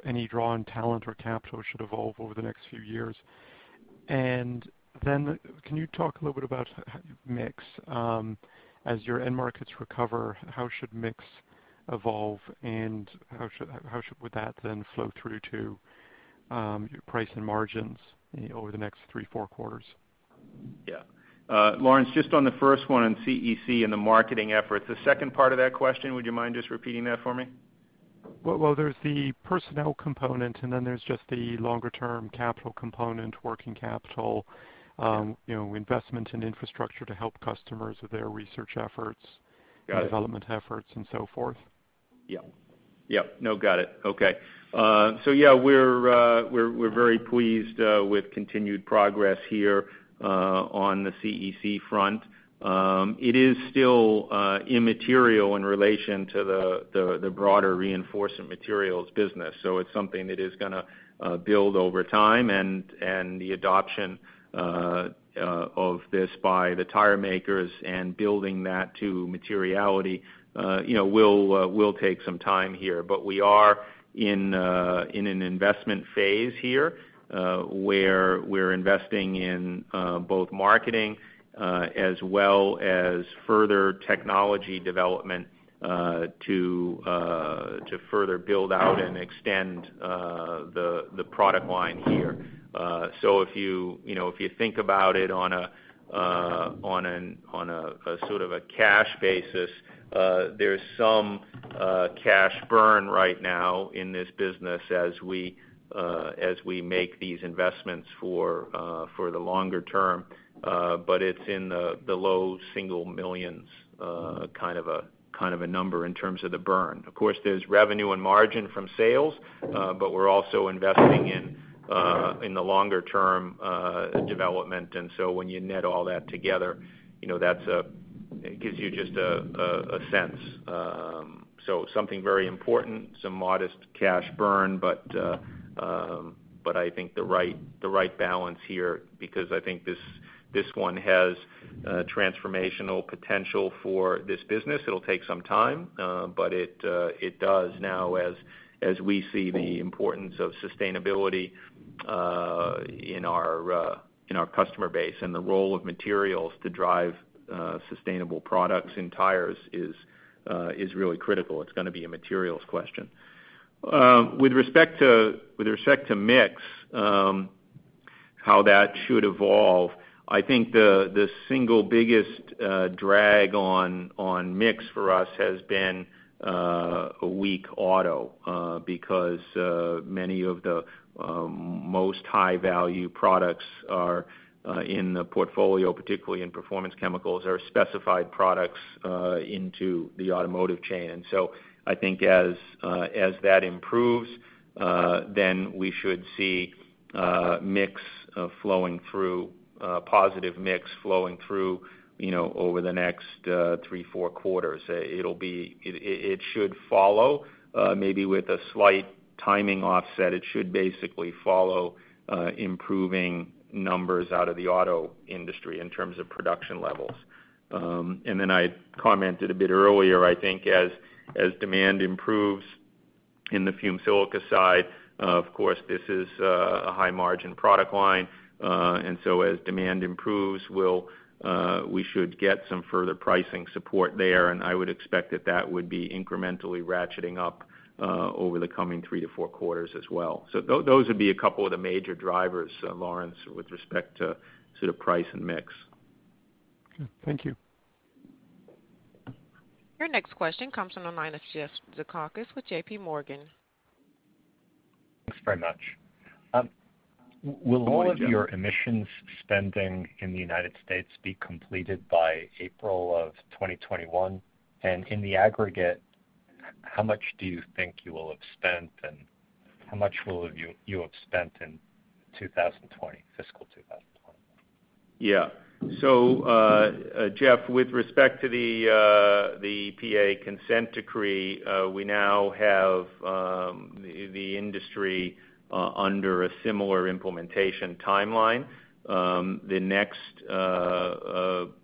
any draw in talent or capital should evolve over the next few years? Can you talk a little bit about mix? As your end markets recover, how should mix evolve and how should that then flow through to your price and margins over the next three, four quarters? Yeah. Laurence, just on the first one on CEC and the marketing efforts. The second part of that question, would you mind just repeating that for me? Well, there's the personnel component, then there's just the longer term capital component, working capital investment in infrastructure to help customers with their research efforts Got it. Development efforts and so forth. No, got it. Okay. We're very pleased with continued progress here on the CEC front. It is still immaterial in relation to the broader reinforcement materials business. It's something that is going to build over time and the adoption of this by the tire makers and building that to materiality will take some time here. We are in an investment phase here, where we're investing in both marketing as well as further technology development to further build out and extend the product line here. If you think about it on a sort of a cash basis, there's some cash burn right now in this business as we make these investments for the longer term. It's in the low single millions kind of a number in terms of the burn. Of course, there's revenue and margin from sales, but we're also investing in the longer-term development. When you net all that together, it gives you just a sense. Something very important, some modest cash burn, but I think the right balance here, because I think this one has transformational potential for this business. It'll take some time, but it does now as we see the importance of sustainability in our customer base and the role of materials to drive sustainable products in tires is really critical. It's going to be a materials question. With respect to mix, how that should evolve, I think the single biggest drag on mix for us has been a weak auto, because many of the most high-value products are in the portfolio, particularly in Performance Chemicals or specified products into the automotive chain. I think as that improves, then we should see a mix flowing through, a positive mix flowing through over the next three, four quarters. It should follow, maybe with a slight timing offset. It should basically follow improving numbers out of the auto industry in terms of production levels. I commented a bit earlier, I think as demand improves in the fumed silica side, of course, this is a high margin product line. As demand improves, we should get some further pricing support there, and I would expect that that would be incrementally ratcheting up over the coming three to four quarters as well. Those would be a couple of the major drivers, Laurence, with respect to sort of price and mix. Okay. Thank you. Your next question comes from the line of Jeff Zekauskas with JPMorgan. Thanks very much. Morning, Jeff. Will all of your emissions spending in the United States be completed by April of 2021? In the aggregate, how much do you think you will have spent, and how much will you have spent in fiscal 2020? Yeah. Jeff, with respect to the EPA consent decree, we now have the industry under a similar implementation timeline. The next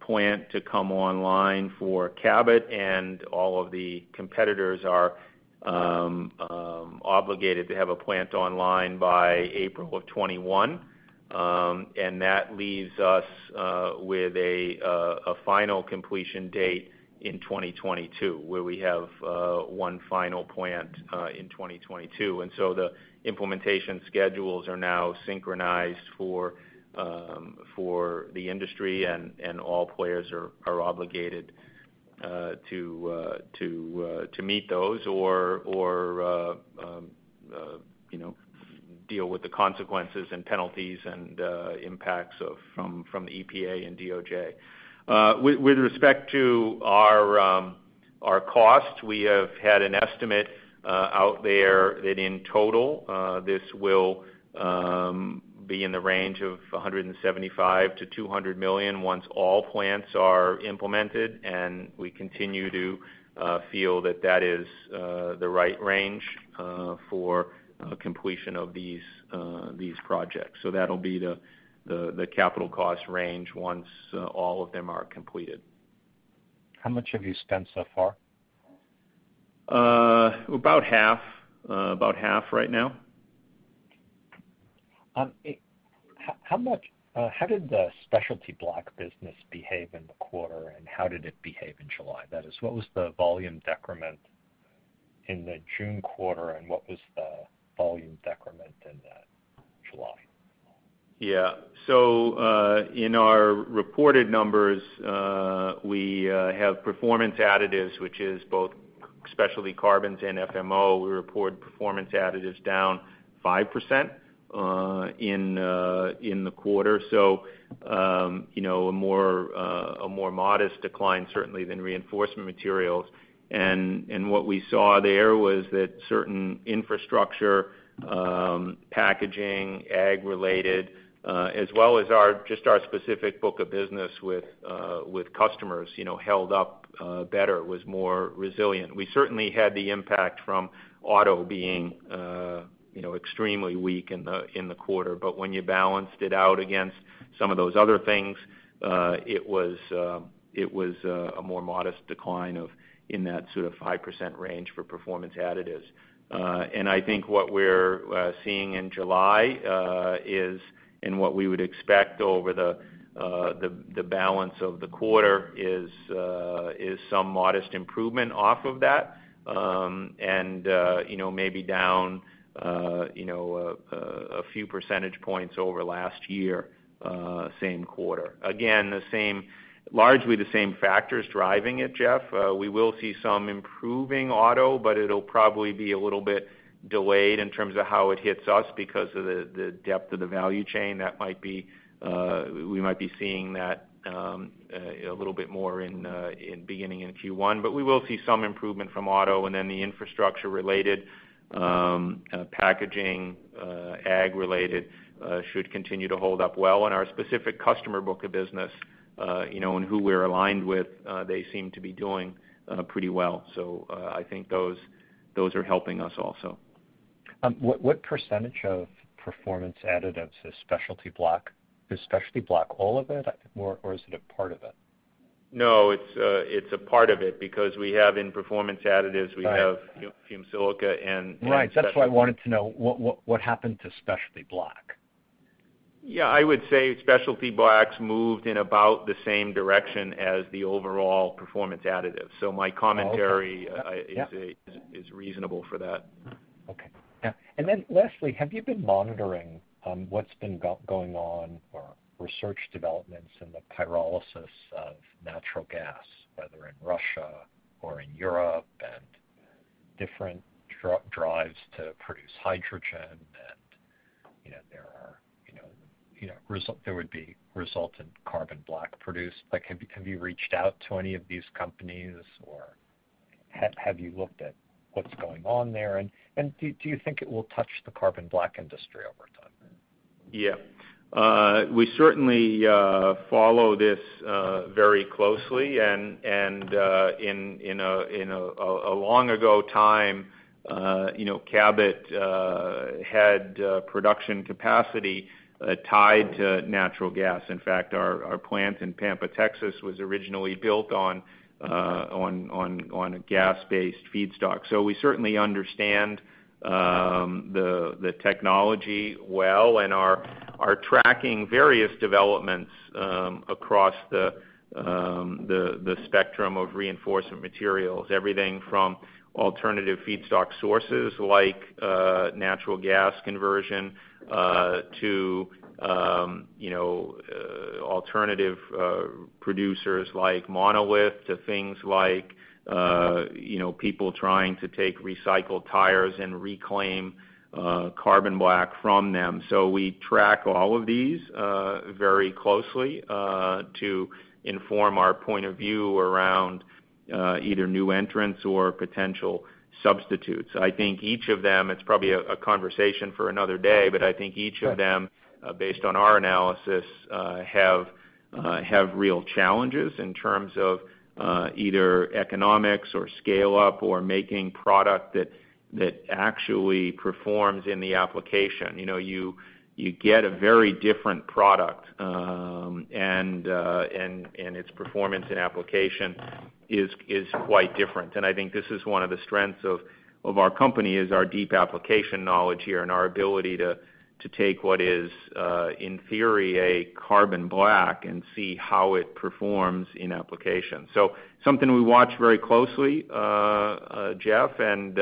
plant to come online for Cabot, and all of the competitors are obligated to have a plant online by April of 2021. That leaves us with a final completion date in 2022, where we have one final plant in 2022. The implementation schedules are now synchronized for the industry, and all players are obligated to meet those or deal with the consequences and penalties and impacts from the EPA and DOJ. With respect to our cost, we have had an estimate out there that in total, this will be in the range of $175 million-$200 million once all plants are implemented. We continue to feel that that is the right range for completion of these projects. That'll be the capital cost range once all of them are completed. How much have you spent so far? About half right now. How did the specialty black business behave in the quarter, and how did it behave in July? That is, what was the volume decrement in the June quarter, and what was the volume decrement in July? Yeah. In our reported numbers, we have performance additives, which is both specialty carbons and FMO. We report performance additives down 5% in the quarter. A more modest decline certainly than reinforcement materials. What we saw there was that certain infrastructure, packaging, ag-related as well as just our specific book of business with customers held up better, was more resilient. We certainly had the impact from auto being extremely weak in the quarter. When you balanced it out against some of those other things, it was a more modest decline in that 5% range for performance additives. I think what we're seeing in July is, and what we would expect over the balance of the quarter is, some modest improvement off of that. Maybe down a few percentage points over last year same quarter. Again, largely the same factors driving it, Jeff. We will see some improving auto, but it'll probably be a little bit delayed in terms of how it hits us because of the depth of the value chain. We might be seeing that a little bit more beginning in Q1. We will see some improvement from auto, and then the infrastructure-related packaging, ag-related should continue to hold up well. Our specific customer book of business, and who we're aligned with, they seem to be doing pretty well. I think those are helping us also. What percentage of Performance Additives is Specialty Black? Is Specialty Black all of it, or is it a part of it? No, it's a part of it because we have in Performance Additives. Right we have fumed silica. Right. That's what I wanted to know. What happened to Specialty Black? Yeah, I would say specialty blacks moved in about the same direction as the overall Performance Additives. Okay. Yeah is reasonable for that. Okay. Yeah. Lastly, have you been monitoring what's been going on or research developments in the pyrolysis of natural gas, whether in Russia or in Europe and different drives to produce hydrogen and there would be resultant carbon black produced. Have you reached out to any of these companies, or have you looked at what's been going on there, and do you think it will touch the carbon black industry over time? We certainly follow this very closely and in a long ago time Cabot had production capacity tied to natural gas. In fact, our plant in Pampa, Texas, was originally built on a gas-based feedstock. We certainly understand the technology well and are tracking various developments across the spectrum of reinforcement materials. Everything from alternative feedstock sources like natural gas conversion, to alternative producers like Monolith, to things like people trying to take recycled tires and reclaim carbon black from them. We track all of these very closely to inform our point of view around either new entrants or potential substitutes. I think each of them, it's probably a conversation for another day, but I think each of them based on our analysis have real challenges in terms of either economics or scale up or making product that actually performs in the application. You get a very different product, and its performance and application is quite different. I think this is one of the strengths of our company is our deep application knowledge here, and our ability to take what is, in theory, a carbon black and see how it performs in application. Something we watch very closely, Jeff, and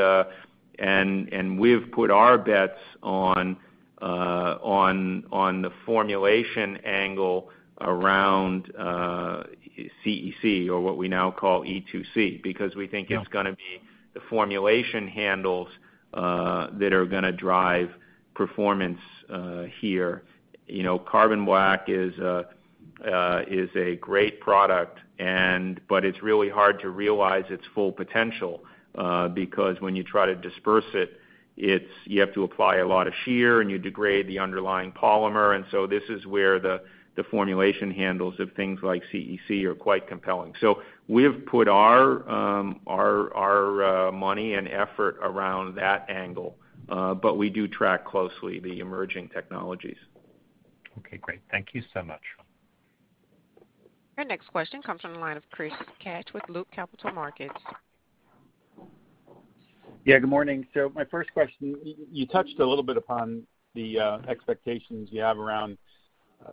we've put our bets on the formulation angle around CEC, or what we now call E2C. Yeah. It's going to be the formulation handles that are going to drive performance here. Carbon black is a great product, but it's really hard to realize its full potential, because when you try to disperse it, you have to apply a lot of shear, and you degrade the underlying polymer. This is where the formulation handles of things like CEC are quite compelling. We've put our money and effort around that angle. We do track closely the emerging technologies. Okay, great. Thank you so much. Our next question comes from the line of Chris Kapsch with Loop Capital Markets. Yeah, good morning. My first question, you touched a little bit upon the expectations you have around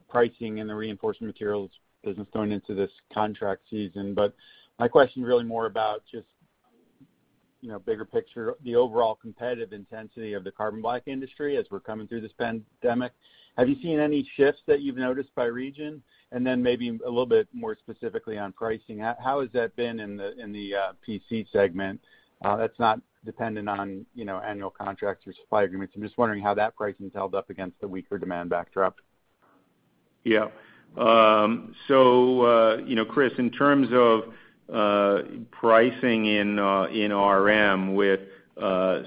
pricing in the Reinforcement Materials business going into this contract season. My question is really more about just bigger picture, the overall competitive intensity of the carbon black industry as we're coming through this pandemic. Have you seen any shifts that you've noticed by region? Maybe a little bit more specifically on pricing, how has that been in the PC segment that's not dependent on annual contracts or supply agreements? I'm just wondering how that pricing's held up against the weaker demand backdrop. Chris, in terms of pricing in RM with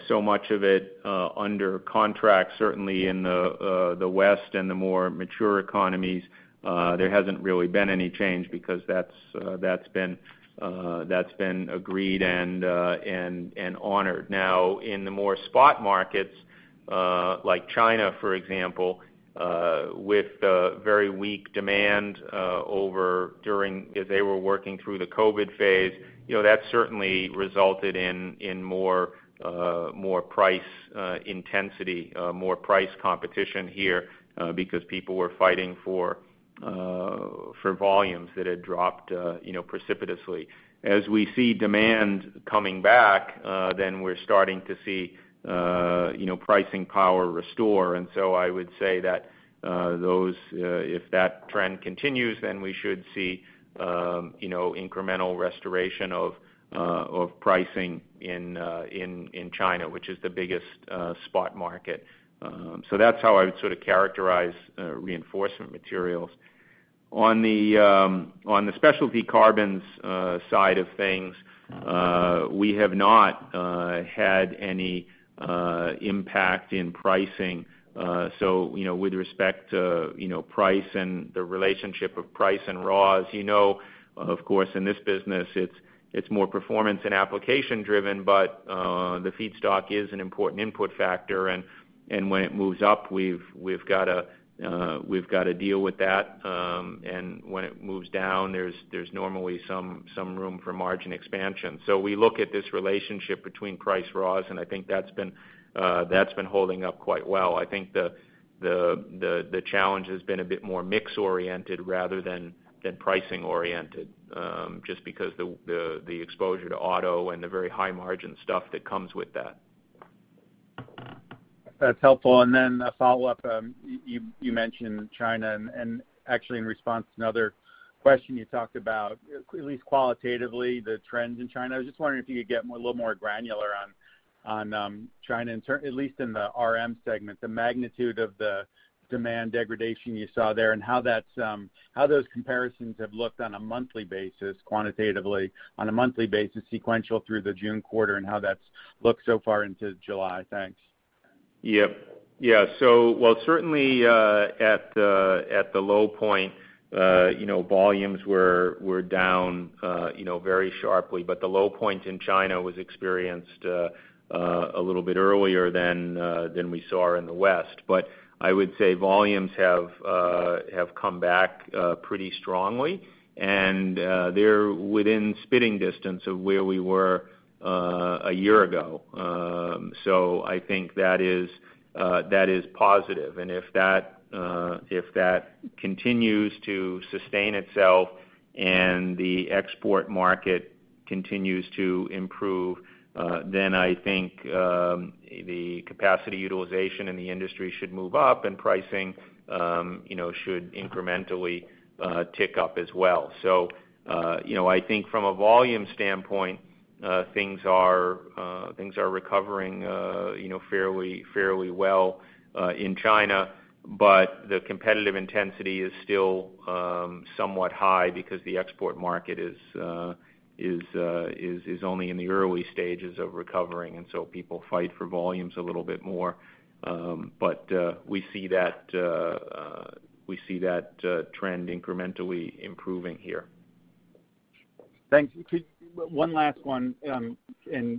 so much of it under contract, certainly in the West and the more mature economies, there hasn't really been any change because that's been agreed and honored. In the more spot markets, like China, for example, with very weak demand as they were working through the COVID phase, that certainly resulted in more price intensity, more price competition here because people were fighting for volumes that had dropped precipitously. As we see demand coming back, we're starting to see pricing power restore. I would say that if that trend continues, we should see incremental restoration of pricing in China, which is the biggest spot market. That's how I would characterize Reinforcement Materials. On the specialty carbons side of things, we have not had any impact in pricing. With respect to price and the relationship of price and raws, you know, of course, in this business, it's more performance and application driven, but the feedstock is an important input factor, and when it moves up, we've got to deal with that. When it moves down, there's normally some room for margin expansion. We look at this relationship between price raws, and I think that's been holding up quite well. I think the challenge has been a bit more mix-oriented rather than pricing-oriented, just because the exposure to auto and the very high-margin stuff that comes with that. That's helpful. Then a follow-up. You mentioned China, and actually in response to another question you talked about, at least qualitatively, the trends in China. I was just wondering if you could get a little more granular on China, at least in the RM segment, the magnitude of the demand degradation you saw there and how those comparisons have looked on a monthly basis, quantitatively on a monthly basis, sequential through the June quarter and how that's looked so far into July. Thanks. Yeah. Certainly at the low point, volumes were down very sharply. The low point in China was experienced a little bit earlier than we saw in the West. I would say volumes have come back pretty strongly, and they're within spitting distance of where we were a year ago. I think that is positive. If that continues to sustain itself and the export market continues to improve, then I think the capacity utilization in the industry should move up and pricing should incrementally tick up as well. I think from a volume standpoint, things are recovering fairly well in China, but the competitive intensity is still somewhat high because the export market is only in the early stages of recovering, and so people fight for volumes a little bit more. We see that trend incrementally improving here. Thanks. One last one. In China,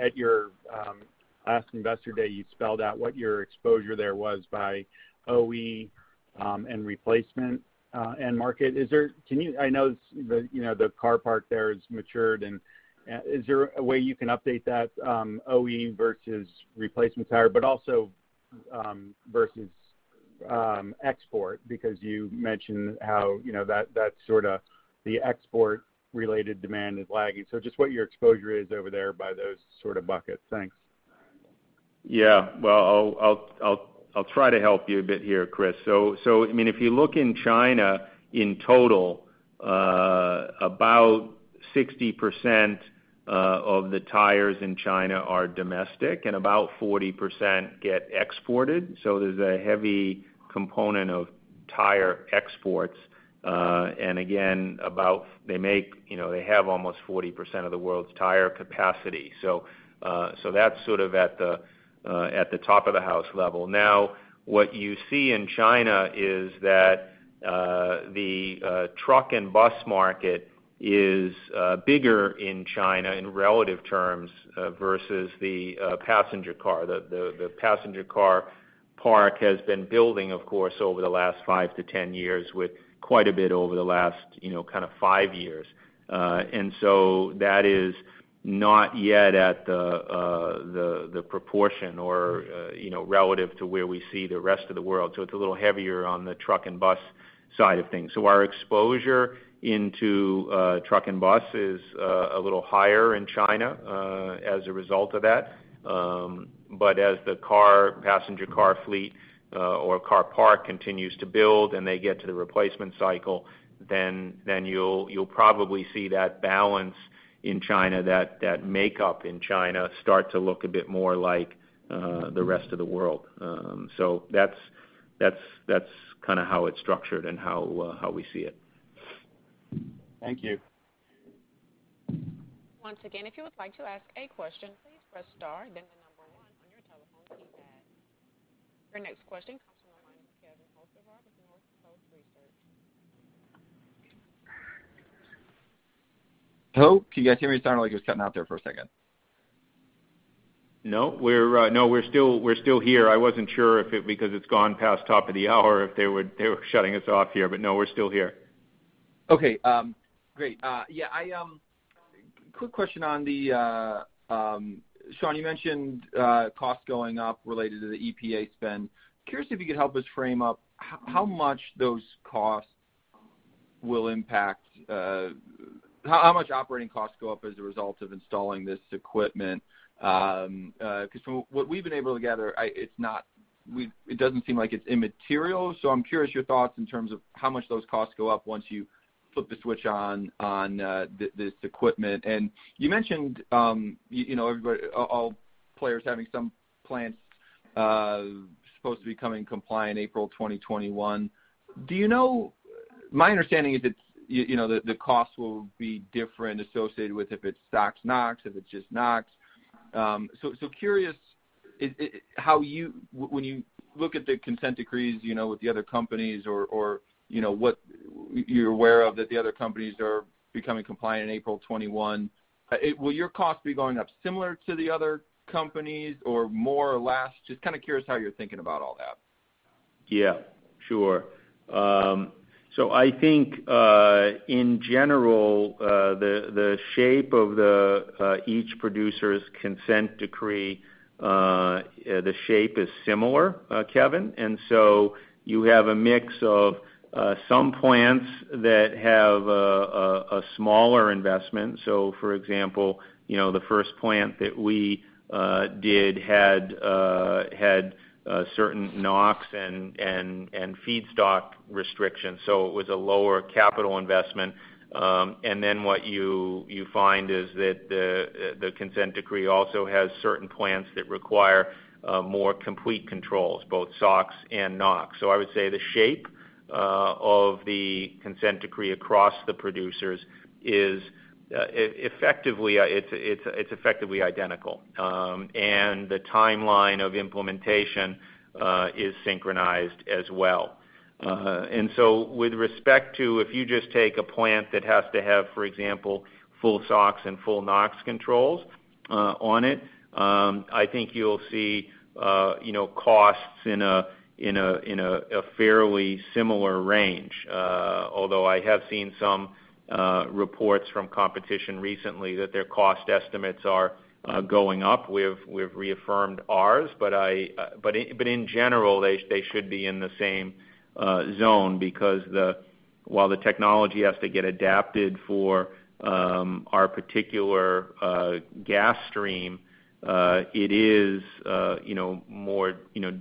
at your last Investor Day, you spelled out what your exposure there was by OE and replacement end market. I know the car park there has matured, is there a way you can update that OE versus replacement tire, also versus export? You mentioned how the export-related demand is lagging. Just what your exposure is over there by those sort of buckets. Thanks. I'll try to help you a bit here, Chris. If you look in China, in total, about 60% of the tires in China are domestic and about 40% get exported. There's a heavy component of tire exports. Again, they have almost 40% of the world's tire capacity. That's sort of at the top of the house level. What you see in China is that the truck and bus market is bigger in China in relative terms, versus the passenger car. The passenger car park has been building, of course, over the last 5-10 years with quite a bit over the last kind of five years. That is not yet at the proportion or relative to where we see the rest of the world. It's a little heavier on the truck and bus side of things. Our exposure into truck and bus is a little higher in China as a result of that. As the passenger car fleet or car park continues to build and they get to the replacement cycle, then you'll probably see that balance in China, that makeup in China start to look a bit more like the rest of the world. That's kind of how it's structured and how we see it. Thank you. Once again, if you would like to ask a question, please press star then one on your telephone keypad. Your next question comes from the line of Kevin Hocevar with Northcoast Research. Hello, can you guys hear me? It sounded like it was cutting out there for a second. No, we're still here. I wasn't sure if because it's gone past top of the hour, if they were shutting us off here. No, we're still here. Okay. Great. Yeah. Quick question on Sean, you mentioned costs going up related to the EPA spend. Curious if you could help us frame up how much operating costs go up as a result of installing this equipment. From what we've been able to gather, it doesn't seem like it's immaterial. I'm curious your thoughts in terms of how much those costs go up once you flip the switch on this equipment. You mentioned all players having some plants supposed to be coming compliant April 2021. My understanding is the cost will be different associated with if it's SOx, NOx, if it's just NOx. Curious, when you look at the consent decrees with the other companies or what you're aware of that the other companies are becoming compliant in April 2021, will your cost be going up similar to the other companies or more or less? Just kind of curious how you're thinking about all that. Yeah. Sure. I think, in general the shape of each producer's consent decree, the shape is similar, Kevin. You have a mix of some plants that have a smaller investment. For example, the first plant that we did had certain NOx and feedstock restrictions, so it was a lower capital investment. What you find is that the consent decree also has certain plants that require more complete controls, both SOx and NOx. I would say the shape of the consent decree across the producers is effectively identical. The timeline of implementation is synchronized as well. With respect to if you just take a plant that has to have, for example, full SOx and full NOx controls on it, I think you'll see costs in a fairly similar range. Although I have seen some reports from competition recently that their cost estimates are going up. We've reaffirmed ours, but in general, they should be in the same zone because while the technology has to get adapted for our particular gas stream, it is more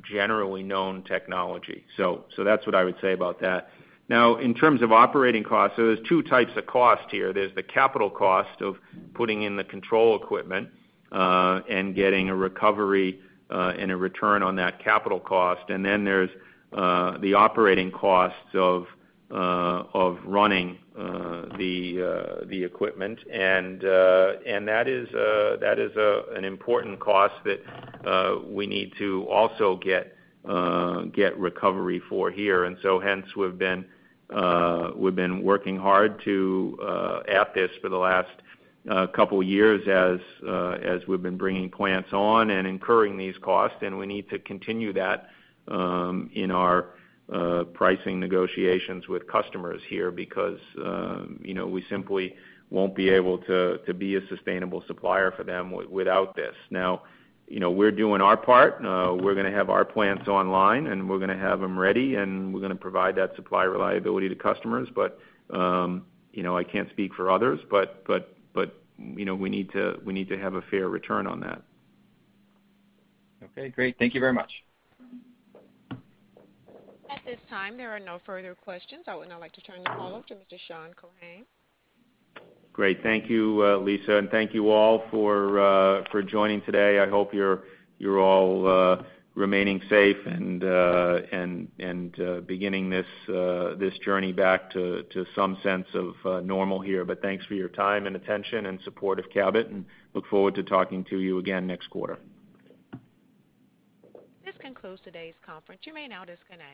generally known technology. That's what I would say about that. Now, in terms of operating costs, there's two types of cost here. There's the capital cost of putting in the control equipment, and getting a recovery, and a return on that capital cost. Then there's the operating costs of running the equipment. That is an important cost that we need to also get recovery for here. Hence we've been working hard at this for the last couple years as we've been bringing plants on and incurring these costs, and we need to continue that in our pricing negotiations with customers here because we simply won't be able to be a sustainable supplier for them without this. We're doing our part. We're going to have our plants online, and we're going to have them ready, and we're going to provide that supply reliability to customers. I can't speak for others, but we need to have a fair return on that. Okay, great. Thank you very much. At this time, there are no further questions. I would now like to turn the call over to Mr. Sean Keohane. Great. Thank you, Lisa. Thank you all for joining today. I hope you're all remaining safe and beginning this journey back to some sense of normal here. Thanks for your time and attention and support of Cabot, and look forward to talking to you again next quarter. This concludes today's conference. You may now disconnect.